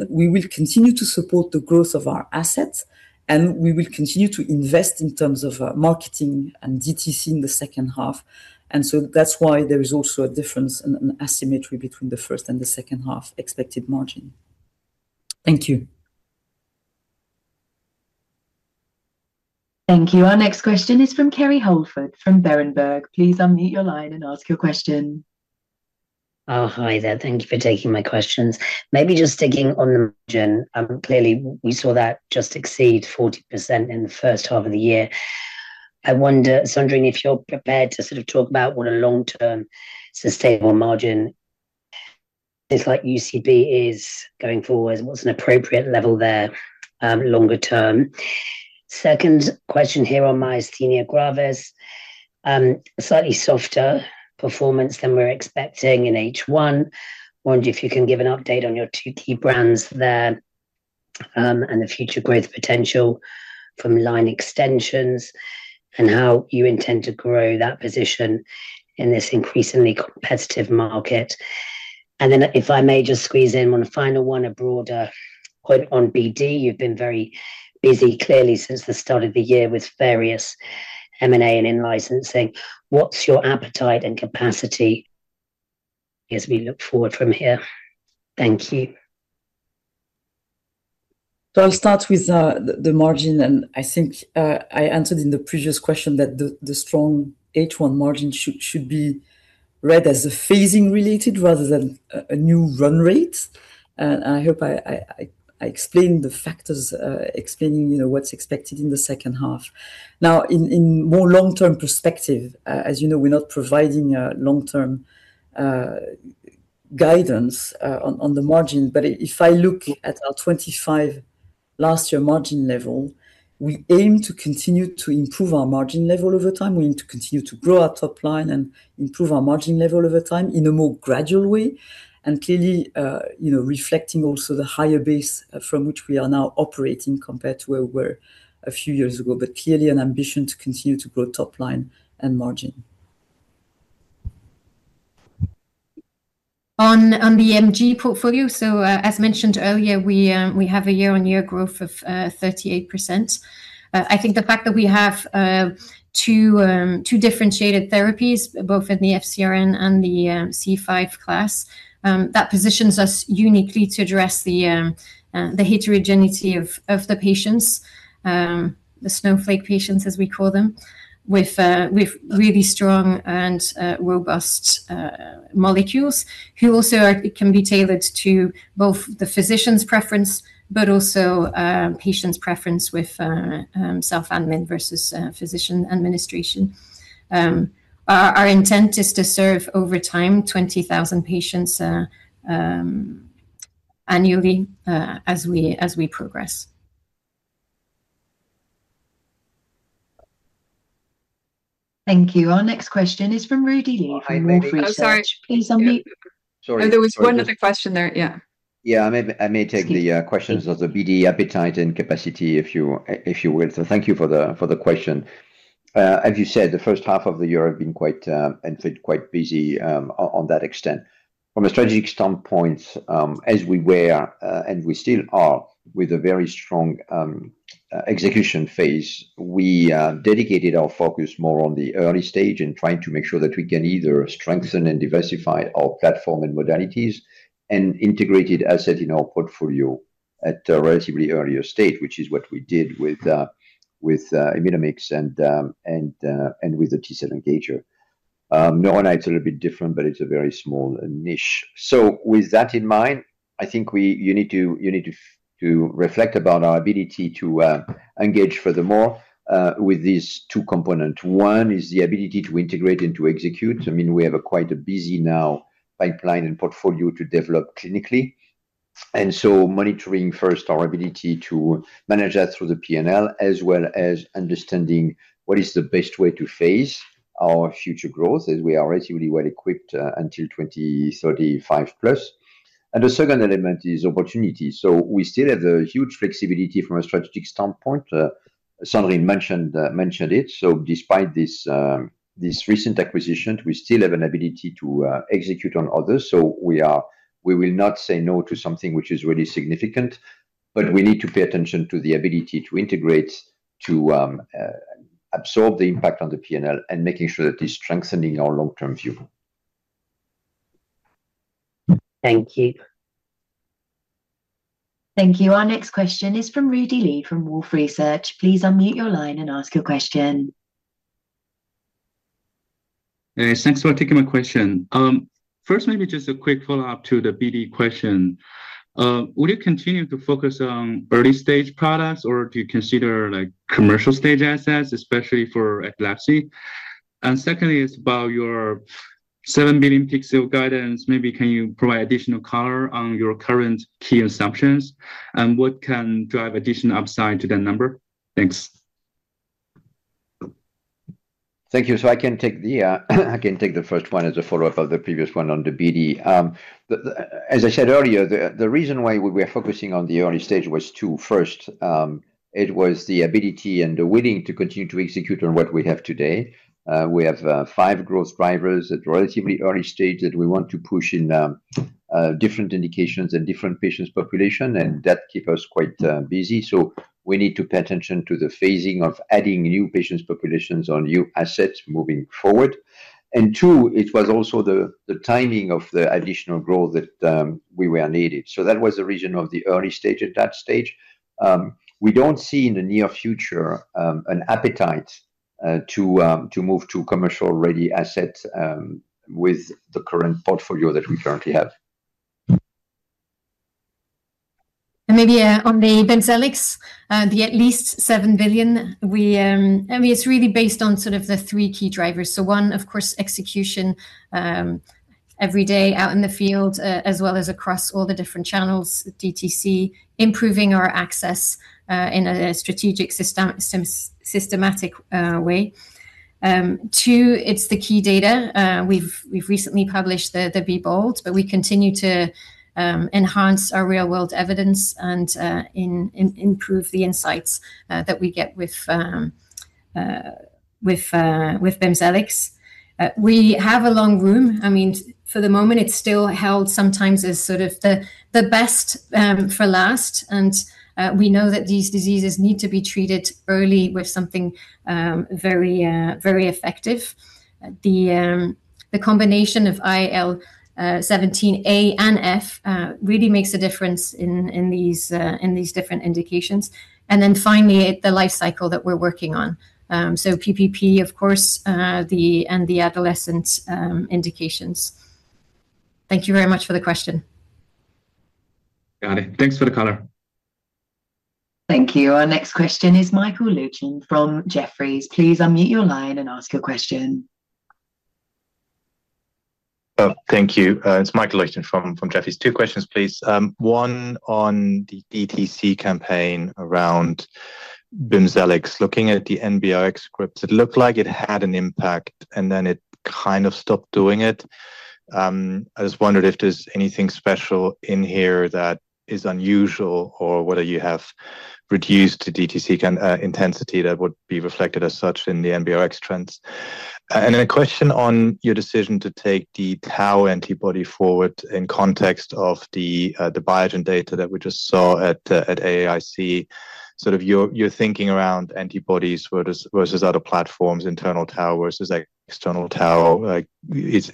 We will continue to support the growth of our assets, and we will continue to invest in terms of marketing and DTC in the second half. That's why there is also a difference, an asymmetry between the first and the second half expected margin. Thank you. Thank you. Our next question is from Kerry Holford from Berenberg. Please unmute your line and ask your question. Hi there. Thank you for taking my questions. Just sticking on the margin. Clearly, we saw that just exceed 40% in the first half of the year. I was wondering if you're prepared to talk about what a long-term sustainable margin is like UCB is going forward, what's an appropriate level there longer term? Second question here on myasthenia gravis. Slightly softer performance than we're expecting in H1. Wonder if you can give an update on your two key brands there, and the future growth potential from line extensions and how you intend to grow that position in this increasingly competitive market. If I may just squeeze in one final one, a broader point on BD. You've been very busy clearly since the start of the year with various M&A and in-licensing. What's your appetite and capacity as we look forward from here? Thank you. I'll start with the margin. I think I answered in the previous question that the strong H1 margin should be read as phasing related rather than a new run rate. I hope I explained the factors, explaining what's expected in the second half. In more long-term perspective, as you know, we're not providing long-term guidance on the margin. If I look at our 25 last year margin level, we aim to continue to improve our margin level over time. We aim to continue to grow our top line and improve our margin level over time in a more gradual way. Clearly, reflecting also the higher base from which we are now operating compared to where we were a few years ago. Clearly an ambition to continue to grow top line and margin. On the MG portfolio, as mentioned earlier, we have a year-on-year growth of 38%. I think the fact that we have two differentiated therapies both in the FcRn and the C5 class, that positions us uniquely to address the heterogeneity of the patients, the snowflake patients, as we call them, with really strong and robust molecules who also can be tailored to both the physician's preference, but also patient's preference with self-admin versus physician administration. Our intent is to serve over time 20,000 patients annually as we progress. Thank you. Our next question is from Rudy Li from Wolfe Research. Oh, hi. Rudy. Oh, sorry. Please unmute. Sorry. There was one other question there. Yeah. Yeah. I may take the questions of the BD appetite and capacity if you will. Thank you for the question. As you said, the first half of the year I've been quite busy on that extent. From a strategic standpoint, as we were, and we still are, with a very strong execution phase. We dedicated our focus more on the early stage and trying to make sure that we can either strengthen and diversify our platform and modalities and integrated asset in our portfolio at a relatively earlier stage, which is what we did with IMIDomics and with the T-cell engager. Neurona, it's a little bit different, but it's a very small niche. With that in mind, I think you need to reflect about our ability to engage furthermore, with these two components. One is the ability to integrate and to execute. We have a quite a busy now pipeline and portfolio to develop clinically, monitoring first our ability to manage that through the P&L, as well as understanding what is the best way to phase our future growth, as we are reasonably well-equipped until 2035+. The second element is opportunity. We still have the huge flexibility from a strategic standpoint. Sandrine mentioned it. Despite this recent acquisition, we still have an ability to execute on others. We will not say no to something which is really significant, but we need to pay attention to the ability to integrate, to absorb the impact on the P&L, and making sure that it is strengthening our long-term view. Thank you. Thank you. Our next question is from Rudy Li from Wolfe Research. Please unmute your line and ask your question. Yes. Thanks for taking my question. First, maybe just a quick follow-up to the BD question. Would you continue to focus on early-stage products, or do you consider commercial-stage assets, especially for epilepsy? Secondly, it's about your 7 billion BIMZELX guidance. Maybe can you provide additional color on your current key assumptions, and what can drive additional upside to that number? Thanks. I can take the first one as a follow-up of the previous one on the BD. As I said earlier, the reason why we are focusing on the early-stage was two. First, it was the ability and the willing to continue to execute on what we have today. We have five growth drivers at relatively early-stage that we want to push in different indications and different patient population, and that keep us quite busy. We need to pay attention to the phasing of adding new patient populations on new assets moving forward. Two, it was also the timing of the additional growth that we were needed. That was the reason of the early-stage at that stage. We don't see in the near future an appetite to move to commercial-ready asset with the current portfolio that we currently have. Maybe on the BIMZELX, the at least 7 billion, it's really based on sort of the three key drivers. One, of course, execution, every day out in the field, as well as across all the different channels, DTC, improving our access, in a strategic systematic way. Two, it's the key data. We've recently published the BE BOLD, but we continue to enhance our real-world evidence and improve the insights that we get with BIMZELX. We have a long room. I mean, for the moment, it's still held sometimes as sort of the best for last. We know that these diseases need to be treated early with something very effective. The combination of IL-17A and F really makes a difference in these different indications. Finally, the life cycle that we're working on. PPP, of course, and the adolescent indications. Thank you very much for the question. Got it. Thanks for the color. Thank you. Our next question is Michael Leuchten from Jefferies. Please unmute your line and ask your question. Thank you. It's Michael Leuchten from Jefferies. Two questions, please. One on the DTC campaign around BIMZELX. Looking at the NBRx scripts, it looked like it had an impact, and then it kind of stopped doing it. I just wondered if there's anything special in here that is unusual or whether you have reduced the DTC intensity that would be reflected as such in the NBRx trends. A question on your decision to take the tau antibody forward in context of the Biogen data that we just saw at AAIC, sort of your thinking around antibodies versus other platforms, internal tau versus external tau. It's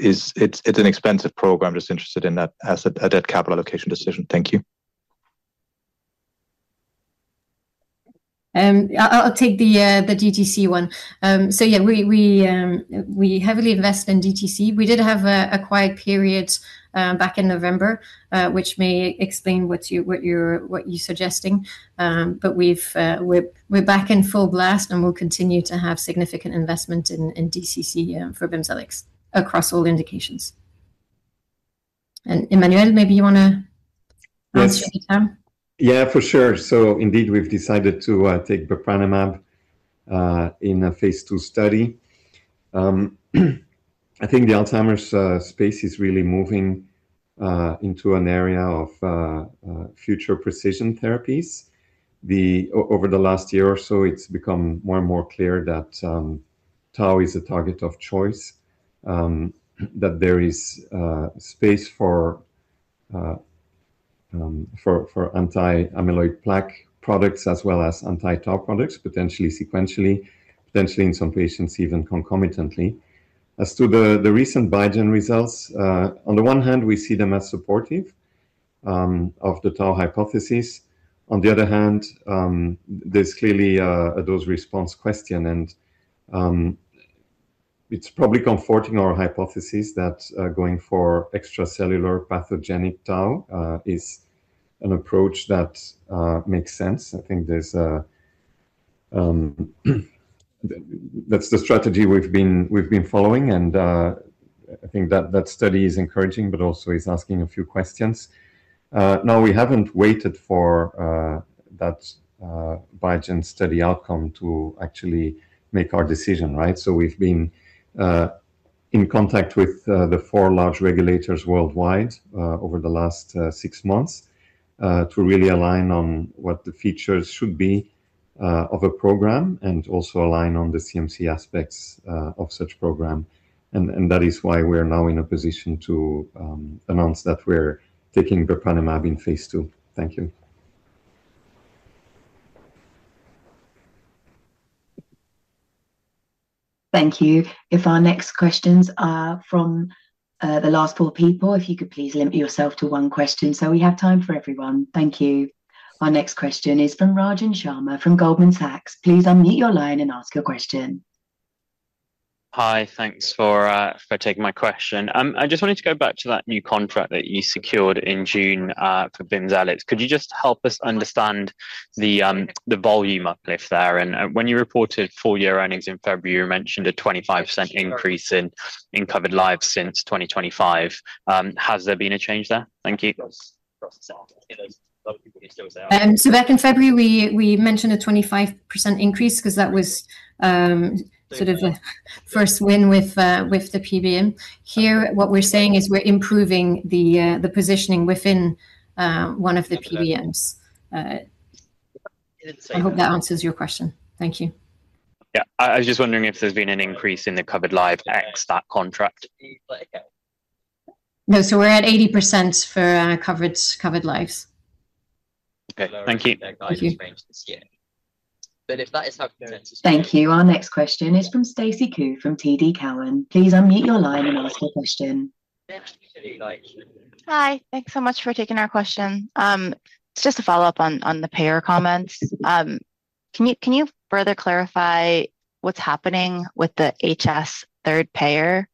an expensive program, just interested in that asset at that capital allocation decision. Thank you. I'll take the DTC one. Yeah, we heavily invest in DTC. We did have a quiet period back in November, which may explain what you're suggesting. We're back in full blast, and we'll continue to have significant investment in DTC for BIMZELX across all indications. Emmanuel, maybe you want to answer any time? Yeah, for sure. Indeed, we've decided to take bepranemab in a phase II study. I think the Alzheimer's space is really moving into an area of future precision therapies. Over the last year or so, it's become more and more clear that tau is a target of choice, that there is space for anti-amyloid plaque products as well as anti-tau products, potentially sequentially, potentially in some patients even concomitantly. As to the recent Biogen results, on the one hand, we see them as supportive of the tau hypothesis. On the other hand, there's clearly a dose response question. It's probably comforting our hypothesis that going for extracellular pathogenic tau is an approach that makes sense. I think that's the strategy we've been following, and I think that study is encouraging, but also is asking a few questions. No, we haven't waited for that Biogen study outcome to actually make our decision, right? We've been in contact with the four large regulators worldwide over the last six months to really align on what the features should be of a program and also align on the CMC aspects of such program. That is why we're now in a position to announce that we're taking bepranemab in phase II. Thank you. Thank you. If our next questions are from the last four people, if you could please limit yourself to one question so we have time for everyone. Thank you. Our next question is from Rajan Sharma from Goldman Sachs. Please unmute your line and ask your question. Hi, thanks for taking my question. I just wanted to go back to that new contract that you secured in June for BIMZELX. Could you just help us understand the volume uplift there? When you reported full-year earnings in February, you mentioned a 25% increase in covered lives since 2025. Has there been a change there? Thank you. Back in February, we mentioned a 25% increase because that was sort of the first win with the PBM. Here, what we're saying is we're improving the positioning within one of the PBMs. I hope that answers your question. Thank you. Yeah, I was just wondering if there's been an increase in the covered lives ex that contract. No. We're at 80% for covered lives. Okay. Thank you. Thank you. Thank you. Our next question is from Stacy Ku from TD Cowen. Please unmute your line and ask your question. Hi. Thanks so much for taking our question. Just to follow up on the payer comments. Can you further clarify what's happening with the HS third payer,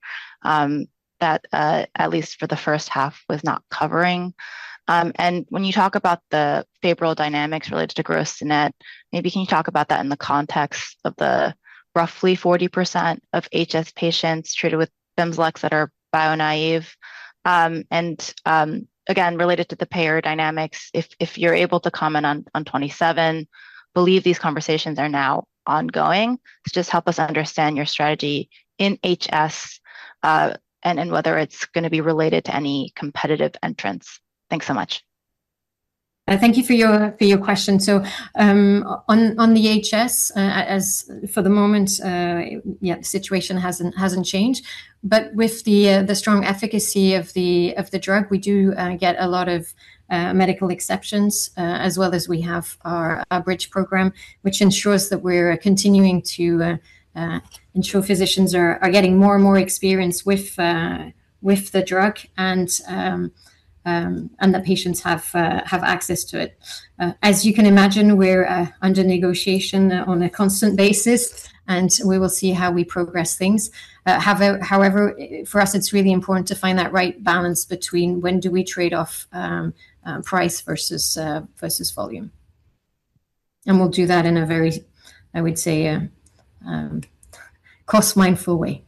that at least for the first half was not covering? And when you talk about the favorable dynamics related to gross net, maybe can you talk about that in the context of the roughly 40% of HS patients treated with BIMZELX that are bio-naive? And again, related to the payer dynamics, if you're able to comment on 2027, believe these conversations are now ongoing. Just help us understand your strategy in HS, and in whether it's going to be related to any competitive entrants. Thanks so much. Thank you for your question. On the HS, as for the moment, yeah, the situation hasn't changed. With the strong efficacy of the drug, we do get a lot of medical exceptions, as well as we have our bridge program, which ensures that we're continuing to ensure physicians are getting more and more experience with the drug and that patients have access to it. As you can imagine, we're under negotiation on a constant basis, and we will see how we progress things. However, for us, it's really important to find that right balance between when do we trade off price versus volume. We'll do that in a very, I would say, cost-mindful way.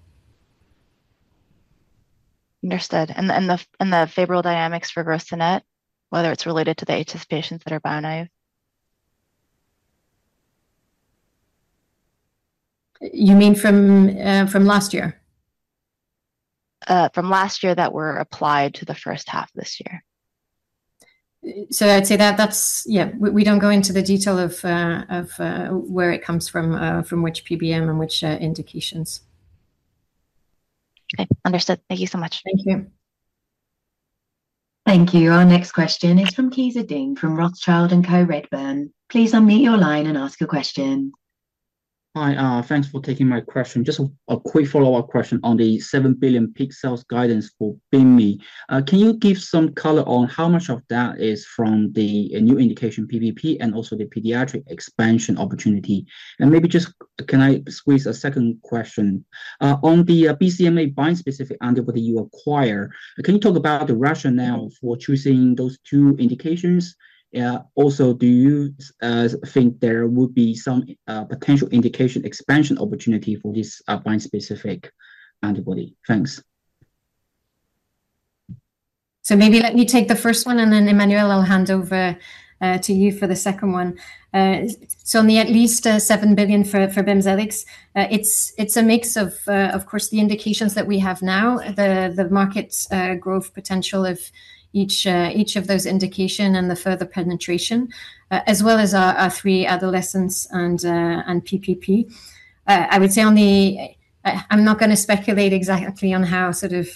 Understood. The favorable dynamics for gross net, whether it's related to the HS patients that are bio-naive. You mean from last year? From last year that were applied to the first half this year. I'd say that's, yeah, we don't go into the detail of where it comes from which PBM and which indications. Okay. Understood. Thank you so much. Thank you. Thank you. Our next question is from Qize Ding from Rothschild & Co Redburn. Please unmute your line and ask your question. Hi. Thanks for taking my question. Just a quick follow-up question on the 7 billion peak sales guidance for BIMZELX. Can you give some color on how much of that is from the new indication PPP and also the pediatric expansion opportunity? Maybe just can I squeeze a second question? On the BCMA bispecific antibody you acquire, can you talk about the rationale for choosing those two indications? Also, do you think there would be some potential indication expansion opportunity for this bispecific antibody? Thanks. Maybe let me take the first one, and then Emmanuel, I will hand over to you for the second one. On the at least 7 billion for BIMZELX, it is a mix of course, the indications that we have now, the market growth potential of each of those indication, and the further penetration, as well as our three adolescents and PPP. I would say I am not going to speculate exactly on how sort of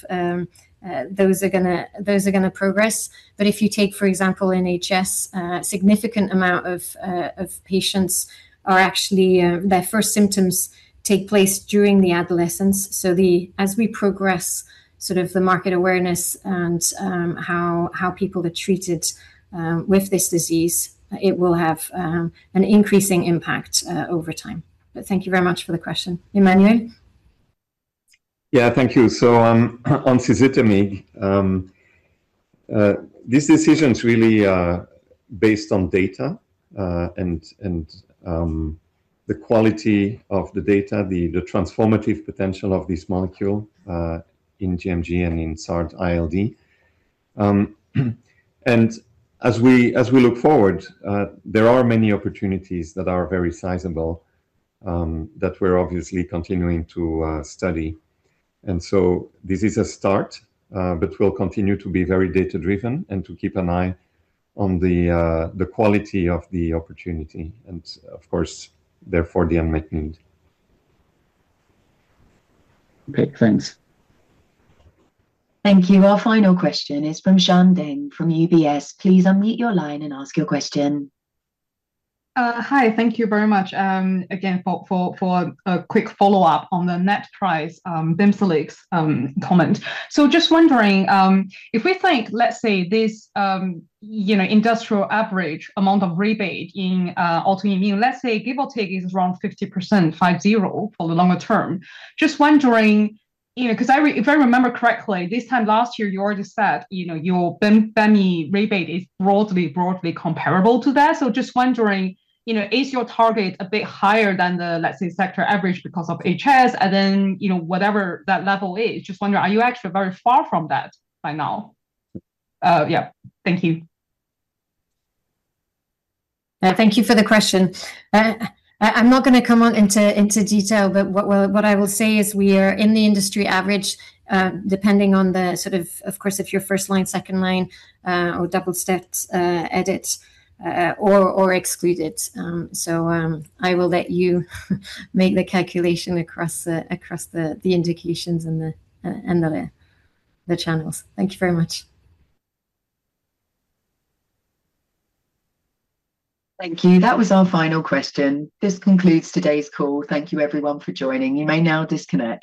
those are going to progress. If you take, for example, HS, a significant amount of patients are actually their first symptoms take place during the adolescence. As we progress sort of the market awareness and how people are treated with this disease, it will have an increasing impact over time. Thank you very much for the question. Emmanuel. Yeah. Thank you. On cizutamig, these decisions really are based on data, and the quality of the data, the transformative potential of this molecule, in gMG and in SARD-ILD. As we look forward, there are many opportunities that are very sizable, that we are obviously continuing to study. This is a start, but we will continue to be very data-driven and to keep an eye on the quality of the opportunity, and of course, therefore, the unmet need. Okay. Thanks. Thank you. Our final question is from Xian Deng from UBS. Please unmute your line and ask your question. Hi. Thank you very much, again, for a quick follow-up on the net price BIMZELX comment. Just wondering, if we think, let's say, this industrial average amount of rebate in autoimmune, let's say Gevotec is around 50% for the longer term. Just wondering, because if I remember correctly, this time last year, you already said your Bemi rebate is broadly comparable to that. Just wondering, is your target a bit higher than the, let's say, sector average because of HS? Whatever that level is, just wonder, are you actually very far from that by now? Yeah. Thank you. Thank you for the question. I'm not going to come on into detail, but what I will say is we are in the industry average, depending on the sort of course, if you're first line, second line, or double stepped, added or excluded. I will let you make the calculation across the indications and the channels. Thank you very much. Thank you. That was our final question. This concludes today's call. Thank you everyone for joining. You may now disconnect.